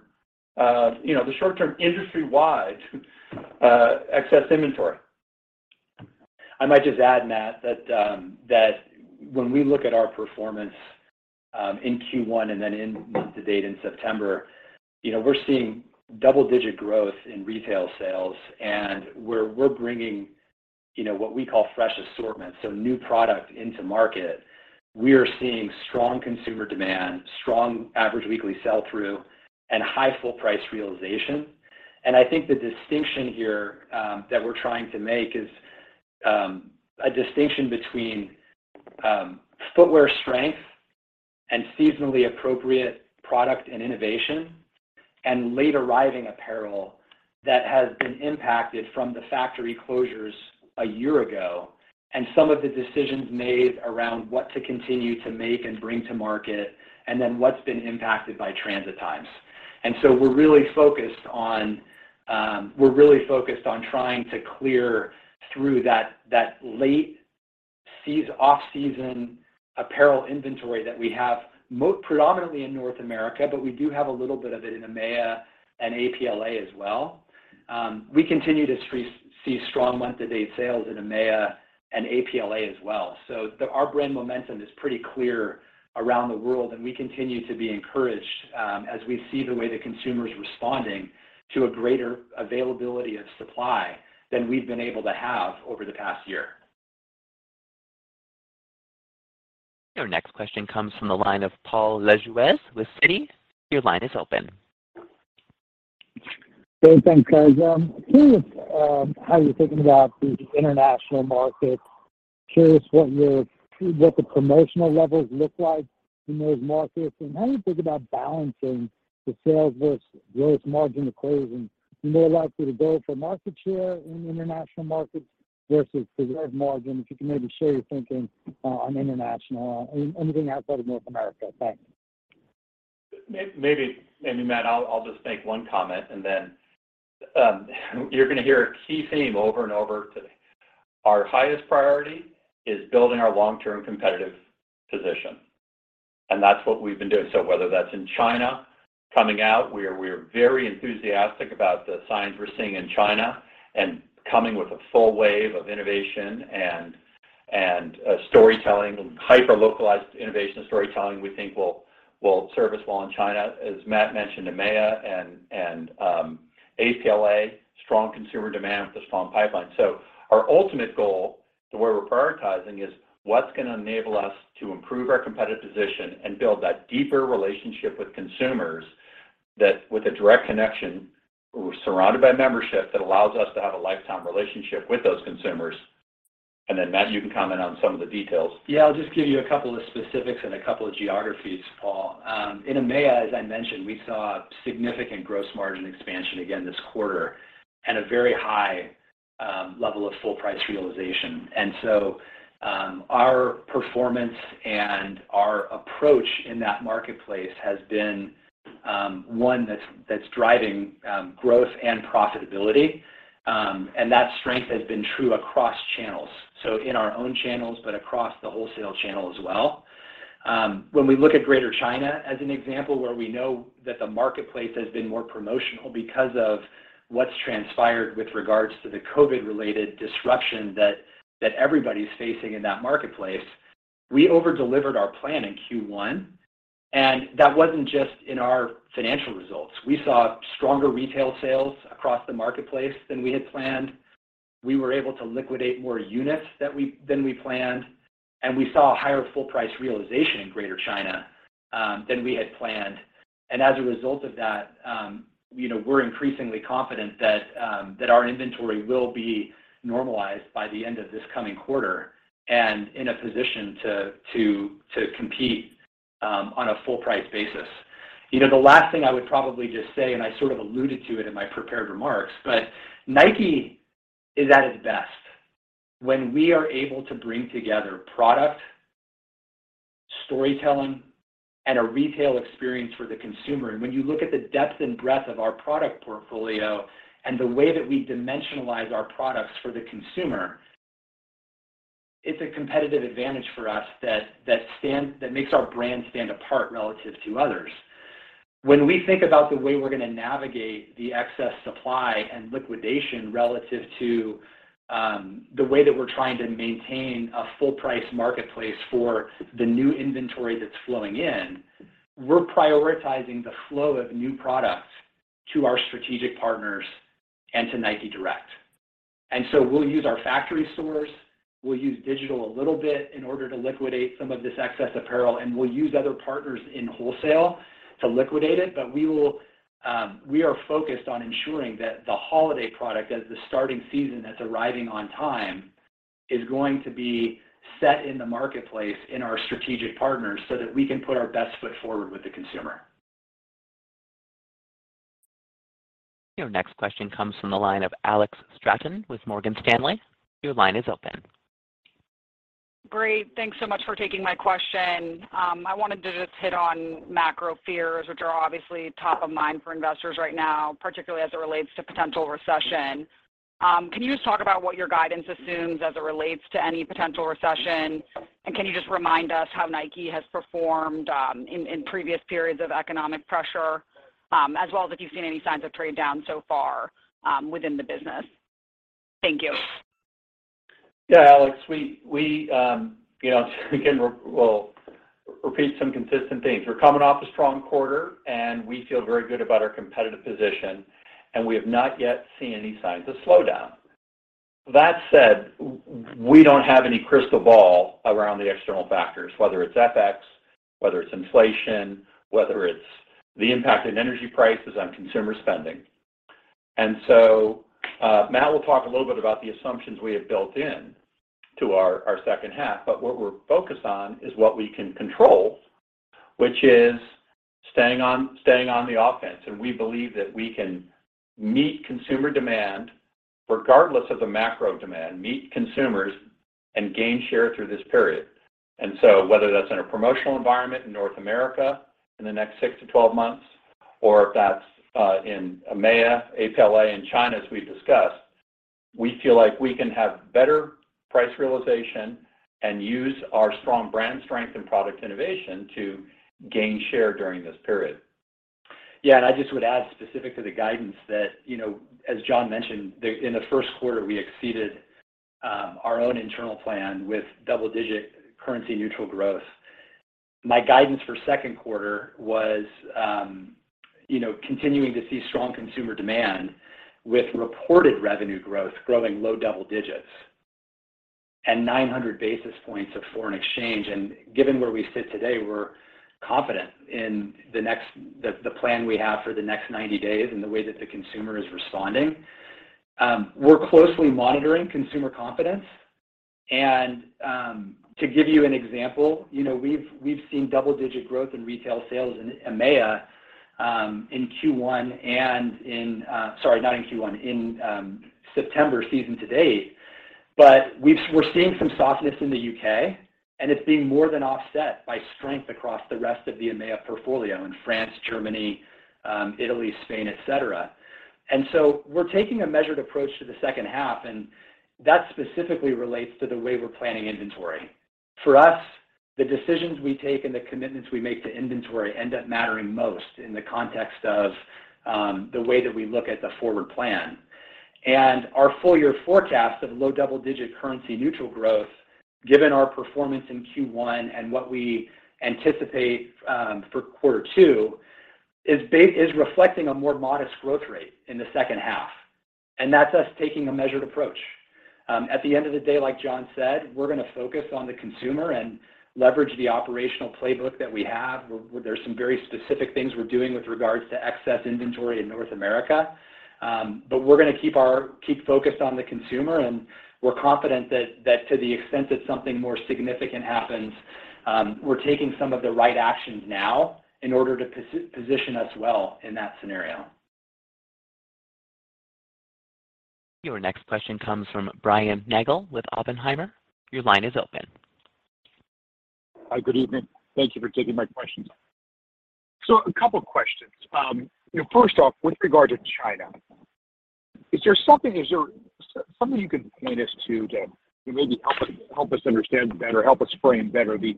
the short term industry-wide, excess inventory. I might just add, Matt, that when we look at our performance in Q1 and then in month to date in september we're seeing double-digit growth in retail sales, and we're bringing what we call fresh assortment, so new product into market. We are seeing strong consumer demand, strong average weekly sell-through, and high full price realization. I think the distinction here that we're trying to make is a distinction between footwear strength and seasonally appropriate product and innovation and late arriving apparel that has been impacted from the factory closures a year ago and some of the decisions made around what to continue to make and bring to market and then what's been impacted by transit times. We're really focused on trying to clear through that late. Seize off-season apparel inventory that we have predominantly in North America, but we do have a little bit of it in EMEA and APLA as well. We continue to see strong month-to-date sales in EMEA and APLA as well. Our brand momentum is pretty clear around the world, and we continue to be encouraged, as we see the way the consumer is responding to a greater availability of supply than we've been able to have over the past year. Your next question comes from the line of Paul Lejuez with Citi. Your line is open. Great. Thanks, guys. Curious how you're thinking about the international markets. Curious what the promotional levels look like in those markets. How do you think about balancing the sales versus gross margin equation? Are you more likely to go for market share in international markets versus preserve margin? If you can maybe share your thinking on international, anything outside of North America. Thanks. Maybe Matt, I'll just make one comment and then you're gonna hear a key theme over and over today. Our highest priority is building our long-term competitive position, and that's what we've been doing. Whether that's in China coming out, we are very enthusiastic about the signs we're seeing in China and coming with a full wave of innovation and storytelling, hyper-localized innovation and storytelling we think will serve us well in China. As Matt mentioned, EMEA and APLA, strong consumer demand with a strong pipeline. Our ultimate goal to where we're prioritizing is what's gonna enable us to improve our competitive position and build that deeper relationship with consumers that, with a direct connection, surrounded by membership that allows us to have a lifetime relationship with those consumers. Matt, you can comment on some of the details. Yeah. I'll just give you a couple of specifics and a couple of geographies, Paul. In EMEA, as I mentioned, we saw significant gross margin expansion again this quarter and a very high level of full price realization. Our performance and our approach in that marketplace has been one that's driving growth and profitability. That strength has been true across channels, in our own channels but across the wholesale channel as well. When we look at Greater China as an example where we know that the marketplace has been more promotional because of what's transpired with regards to the COVID-related disruption that everybody's facing in that marketplace, we over-delivered our plan in Q1, and that wasn't just in our financial results. We saw stronger retail sales across the marketplace than we had planned. We were able to liquidate more units than we planned, and we saw a higher full price realization in Greater China than we had planned. As a result of that we're increasingly confident that our inventory will be normalized by the end of this coming quarter and in a position to compete on a full price basis. You know, the last thing I would probably just say, and I sort of alluded to it in my prepared remarks, but Nike is at its best when we are able to bring together product, storytelling, and a retail experience for the consumer. When you look at the depth and breadth of our product portfolio and the way that we dimensionalize our products for the consumer, it's a competitive advantage for us that makes our brand stand apart relative to others. When we think about the way we're gonna navigate the excess supply and liquidation relative to the way that we're trying to maintain a full price marketplace for the new inventory that's flowing in, we're prioritizing the flow of new product to our strategic partners and to Nike Direct. We'll use our factory stores. We'll use digital a little bit in order to liquidate some of this excess apparel, and we'll use other partners in wholesale to liquidate it. But we will. We are focused on ensuring that the holiday product assortment starting the season that's arriving on time is going to be set in the marketplace in our strategic partners so that we can put our best foot forward with the consumer. Your next question comes from the line of Alex Straton with Morgan Stanley. Your line is open. Great. Thanks so much for taking my question. I wanted to just hit on macro fears, which are obviously top of mind for investors right now, particularly as it relates to potential recession. Can you just talk about what your guidance assumes as it relates to any potential recession? Can you just remind us how Nike has performed, in previous periods of economic pressure, as well as if you've seen any signs of trade down so far, within the business? Thank you. Yeah, Alex, we again, we'll repeat some consistent themes. We're coming off a strong quarter, and we feel very good about our competitive position, and we have not yet seen any signs of slowdown. That said, we don't have any crystal ball around the external factors, whether it's FX, whether it's inflation, whether it's the impact in energy prices on consumer spending. Matt will talk a little bit about the assumptions we have built into our H2. What we're focused on is what we can control, which is staying on the offense. We believe that we can meet consumer demand regardless of the macro demand, meet consumers and gain share through this period. Whether that's in a promotional environment in North America in the next 6-12 months or if that's in EMEA, APLA, and China, as we've discussed. We feel like we can have better price realization and use our strong brand strength and product innovation to gain share during this period. Yeah, I just would add specific to the guidance that as John mentioned, in the Q1 we exceeded our own internal plan with double-digit currency neutral growth. My guidance for Q2 was continuing to see strong consumer demand with reported revenue growth growing low double digits and 900 basis points of foreign exchange. Given where we sit today, we're confident in the plan we have for the next 90 days and the way that the consumer is responding. We're closely monitoring consumer confidence. To give you an example we've seen double-digit growth in retail sales in EMEA, in Q1 and in. Sorry, not in Q1, in September season to date. We're seeing some softness in the UK, and it's being more than offset by strength across the rest of the EMEA portfolio in France, Germany, Italy, Spain, et cetera. We're taking a measured approach to the H2, and that specifically relates to the way we're planning inventory. For us, the decisions we take and the commitments we make to inventory end up mattering most in the context of the way that we look at the forward plan. Our full year forecast of low double-digit currency neutral growth, given our performance in Q1 and what we anticipate for quarter two, is reflecting a more modest growth rate in the H2, and that's us taking a measured approach. At the end of the day, like John said, we're gonna focus on the consumer and leverage the operational playbook that we have. There's some very specific things we're doing with regards to excess inventory in North America. We're gonna keep focused on the consumer, and we're confident that to the extent that something more significant happens, we're taking some of the right actions now in order to position us well in that scenario. Your next question comes from Brian Nagel with Oppenheimer. Your line is open. Hi. Good evening. Thank you for taking my questions. A couple questions. You know, first off, with regard to China, is there something you can point us to that will maybe help us understand better, help us frame better the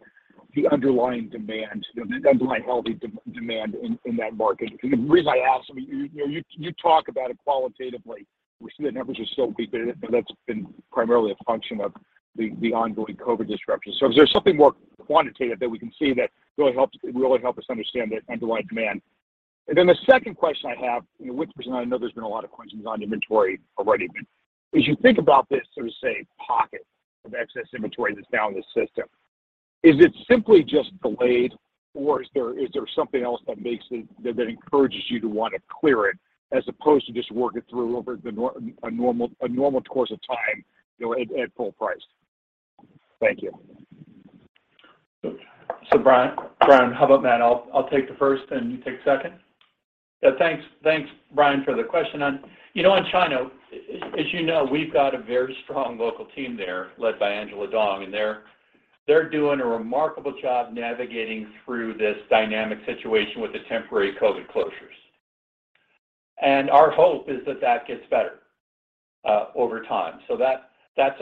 underlying demand the underlying healthy demand in that market? The reason I ask, I mean you talk about it qualitatively. We see the numbers are still weak, but that's been primarily a function of the ongoing COVID disruption. Is there something more quantitative that we can see that really helps us understand the underlying demand? The second question I have Winston, I know there's been a lot of questions on inventory already, but as you think about this sort of, say, pocket of excess inventory that's now in the system, is it simply just delayed or is there something else that makes it that encourages you to want to clear it as opposed to just work it through over a normal course of time at full price? Thank you. Brian, how about Matt, I'll take the first and you take the second? Yeah, thanks, Brian, for the question. You know, on China, as you know, we've got a very strong local team there led by Angela Dong, and they're doing a remarkable job navigating through this dynamic situation with the temporary COVID closures. Our hope is that gets better over time. That's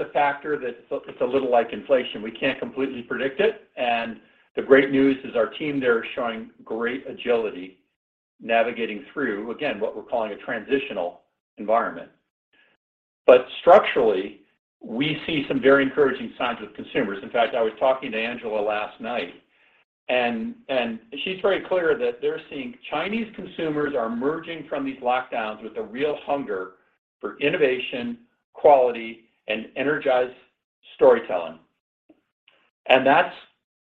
a factor, it's a little like inflation. We can't completely predict it, and the great news is our team there is showing great agility navigating through, again, what we're calling a transitional environment. Structurally, we see some very encouraging signs with consumers. In fact, I was talking to Angela last night and she's very clear that they're seeing Chinese consumers are emerging from these lockdowns with a real hunger for innovation, quality, and energized storytelling. That's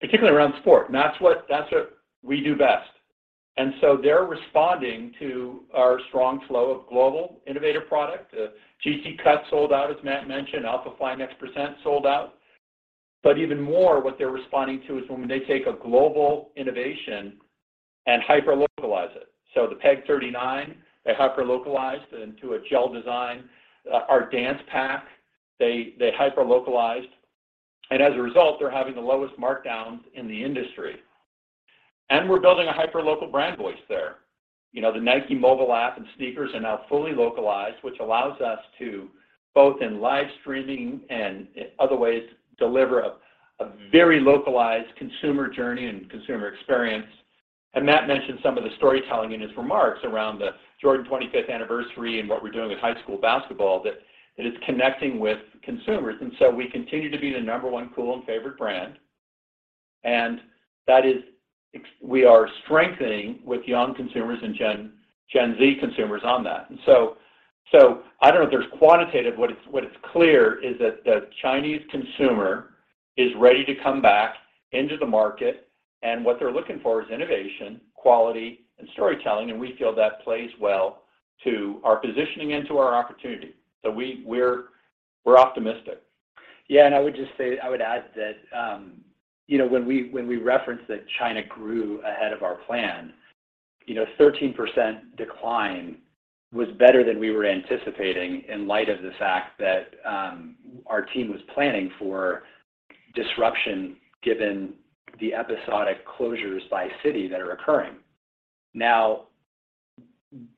particularly around sport, and that's what we do best. They're responding to our strong flow of global innovative product. The G.T. Cut sold out, as Matt mentioned. Alphafly NEXT% sold out. Even more, what they're responding to is when they take a global innovation and hyper-localize it. The Peg 39, they hyper-localized into a gel design. Our Dance Pack, they hyper-localized, and as a result, they're having the lowest markdowns in the industry. We're building a hyperlocal brand voice there. You know, the Nike mobile app and sneakers are now fully localized, which allows us to, both in live streaming and other ways, deliver a very localized consumer journey and consumer experience. Matt mentioned some of the storytelling in his remarks around the Jordan 25th anniversary and what we're doing with high school basketball that it is connecting with consumers. We continue to be the number one cool and favorite brand, and we are strengthening with young consumers and Gen Z consumers on that. I don't know if there's quantitative. What is clear is that the Chinese consumer is ready to come back into the market, and what they're looking for is innovation, quality, and storytelling, and we feel that plays well to our positioning and to our opportunity. We're optimistic. Yeah. I would just say, I would add that when we referenced that China grew ahead of our plan 13% decline was better than we were anticipating in light of the fact that, our team was planning for disruption given the episodic closures by city that are occurring. Now,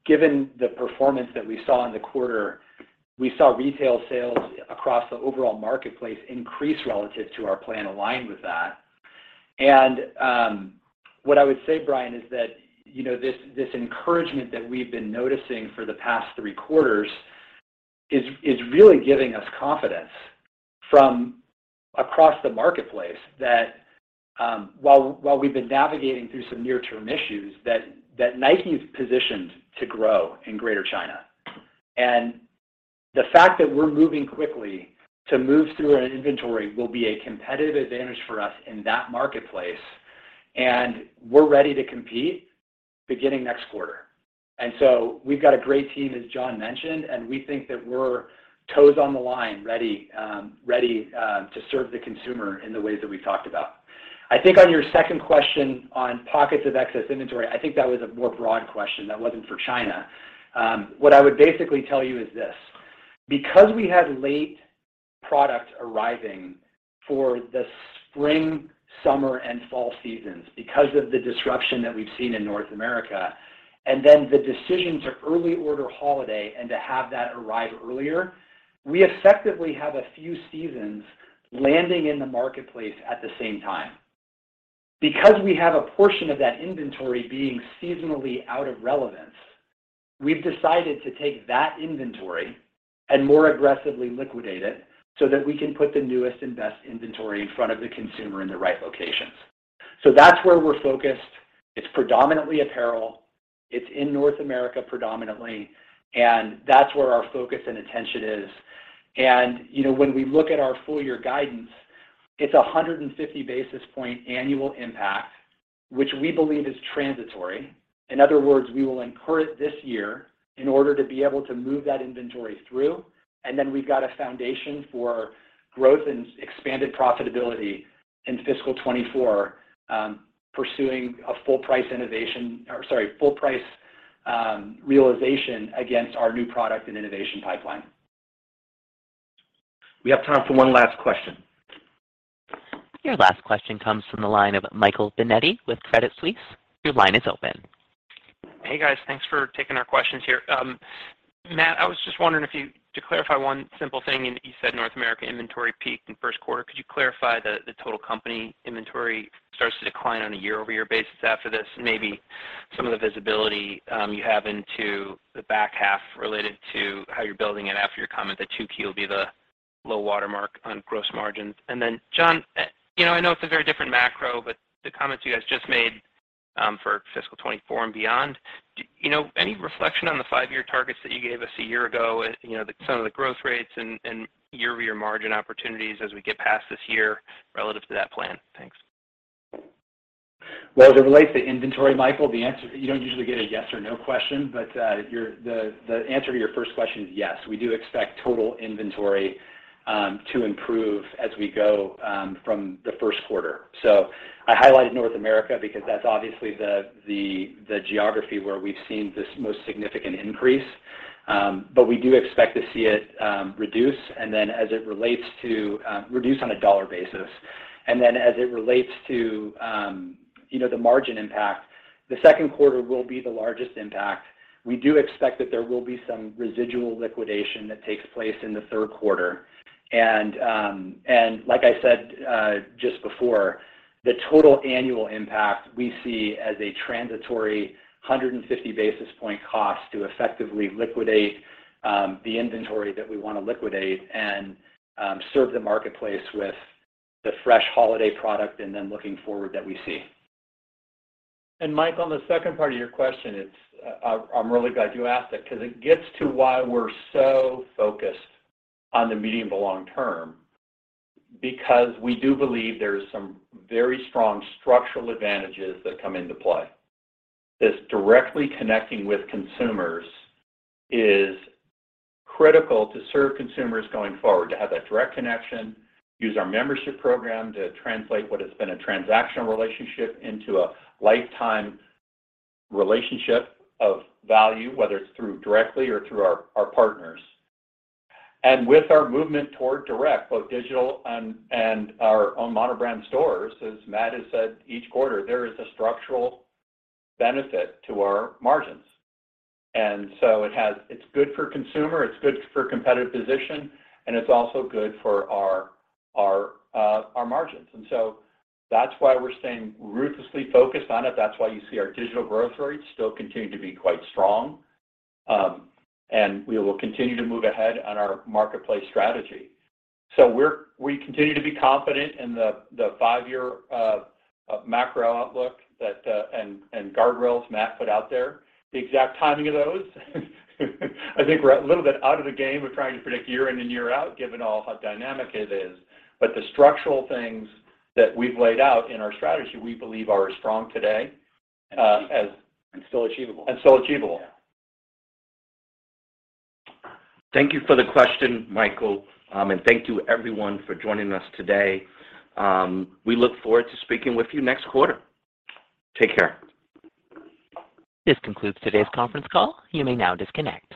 given the performance that we saw in the quarter, we saw retail sales across the overall marketplace increase relative to our plan aligned with that. What I would say, Brian, is that this encouragement that we've been noticing for the past three quarters is really giving us confidence from across the marketplace that, while we've been navigating through some near-term issues that Nike is positioned to grow in Greater China. The fact that we're moving quickly to move through an inventory will be a competitive advantage for us in that marketplace, and we're ready to compete beginning next quarter. We've got a great team, as John mentioned, and we think that we're toes on the line ready to serve the consumer in the ways that we talked about. I think on your second question on pockets of excess inventory, I think that was a more broad question. That wasn't for China. What I would basically tell you is this, because we had late product arriving for the spring, summer, and fall seasons because of the disruption that we've seen in North America, and then the decision to early order holiday and to have that arrive earlier, we effectively have a few seasons landing in the marketplace at the same time. Because we have a portion of that inventory being seasonally out of relevance, we've decided to take that inventory and more aggressively liquidate it so that we can put the newest and best inventory in front of the consumer in the right locations. That's where we're focused. It's predominantly apparel. It's in North America predominantly, and that's where our focus and attention is. You know, when we look at our full year guidance, it's 150 basis point annual impact, which we believe is transitory. In other words, we will incur it this year in order to be able to move that inventory through, and then we've got a foundation for growth and expanded profitability in fiscal 2024, pursuing full price realization against our new product and innovation pipeline. We have time for one last question. Your last question comes from the line of Michael Binetti with Credit Suisse. Your line is open. Hey, guys. Thanks for taking our questions here. Matt, I was just wondering to clarify one simple thing, and you said North America inventory peaked in Q1. Could you clarify the total company inventory starts to decline on a year-over-year basis after this? Maybe some of the visibility you have into the back half related to how you're building it after your comment that 2Q will be the low watermark on gross margins. john I know it's a very different macro, but the comments you guys just made for fiscal 2024 and beyond any reflection on the five-year targets that you gave us a year ago some of the growth rates and year-over-year margin opportunities as we get past this year relative to that plan? Thanks. Well, as it relates to inventory, Michael, you don't usually get a yes or no question, but the answer to your first question is yes. We do expect total inventory to improve as we go from the Q1. I highlighted North America because that's obviously the geography where we've seen this most significant increase. But we do expect to see it reduce, and then as it relates to reduce on a dollar basis. Then as it relates to the margin impact, the Q2 will be the largest impact. We do expect that there will be some residual liquidation that takes place in the Q3. Like I said, just before, the total annual impact we see as a transitory 150 basis point cost to effectively liquidate the inventory that we wanna liquidate and serve the marketplace with the fresh holiday product and then looking forward that we see. Mike, on the second part of your question, it's, I'm really glad you asked that because it gets to why we're so focused on the medium to long term because we do believe there is some very strong structural advantages that come into play. This directly connecting with consumers is critical to serve consumers going forward, to have that direct connection, use our membership program to translate what has been a transactional relationship into a lifetime relationship of value, whether it's through directly or through our partners. With our movement toward direct, both digital and our own mono brand stores, as Matt has said each quarter, there is a structural benefit to our margins. It has—it's good for consumer, it's good for competitive position, and it's also good for our margins. That's why we're staying ruthlessly focused on it. That's why you see our digital growth rates still continue to be quite strong. We will continue to move ahead on our marketplace strategy. We're confident in the five-year macro outlook that and guardrails Matt put out there. The exact timing of those, I think we're a little bit out of the game of trying to predict year in and year out, given all how dynamic it is. The structural things that we've laid out in our strategy, we believe are as strong today as Still achievable. Still achievable. Yeah. Thank you for the question, Michael. Thank you everyone for joining us today. We look forward to speaking with you next quarter. Take care. This concludes today's conference call. You may now disconnect.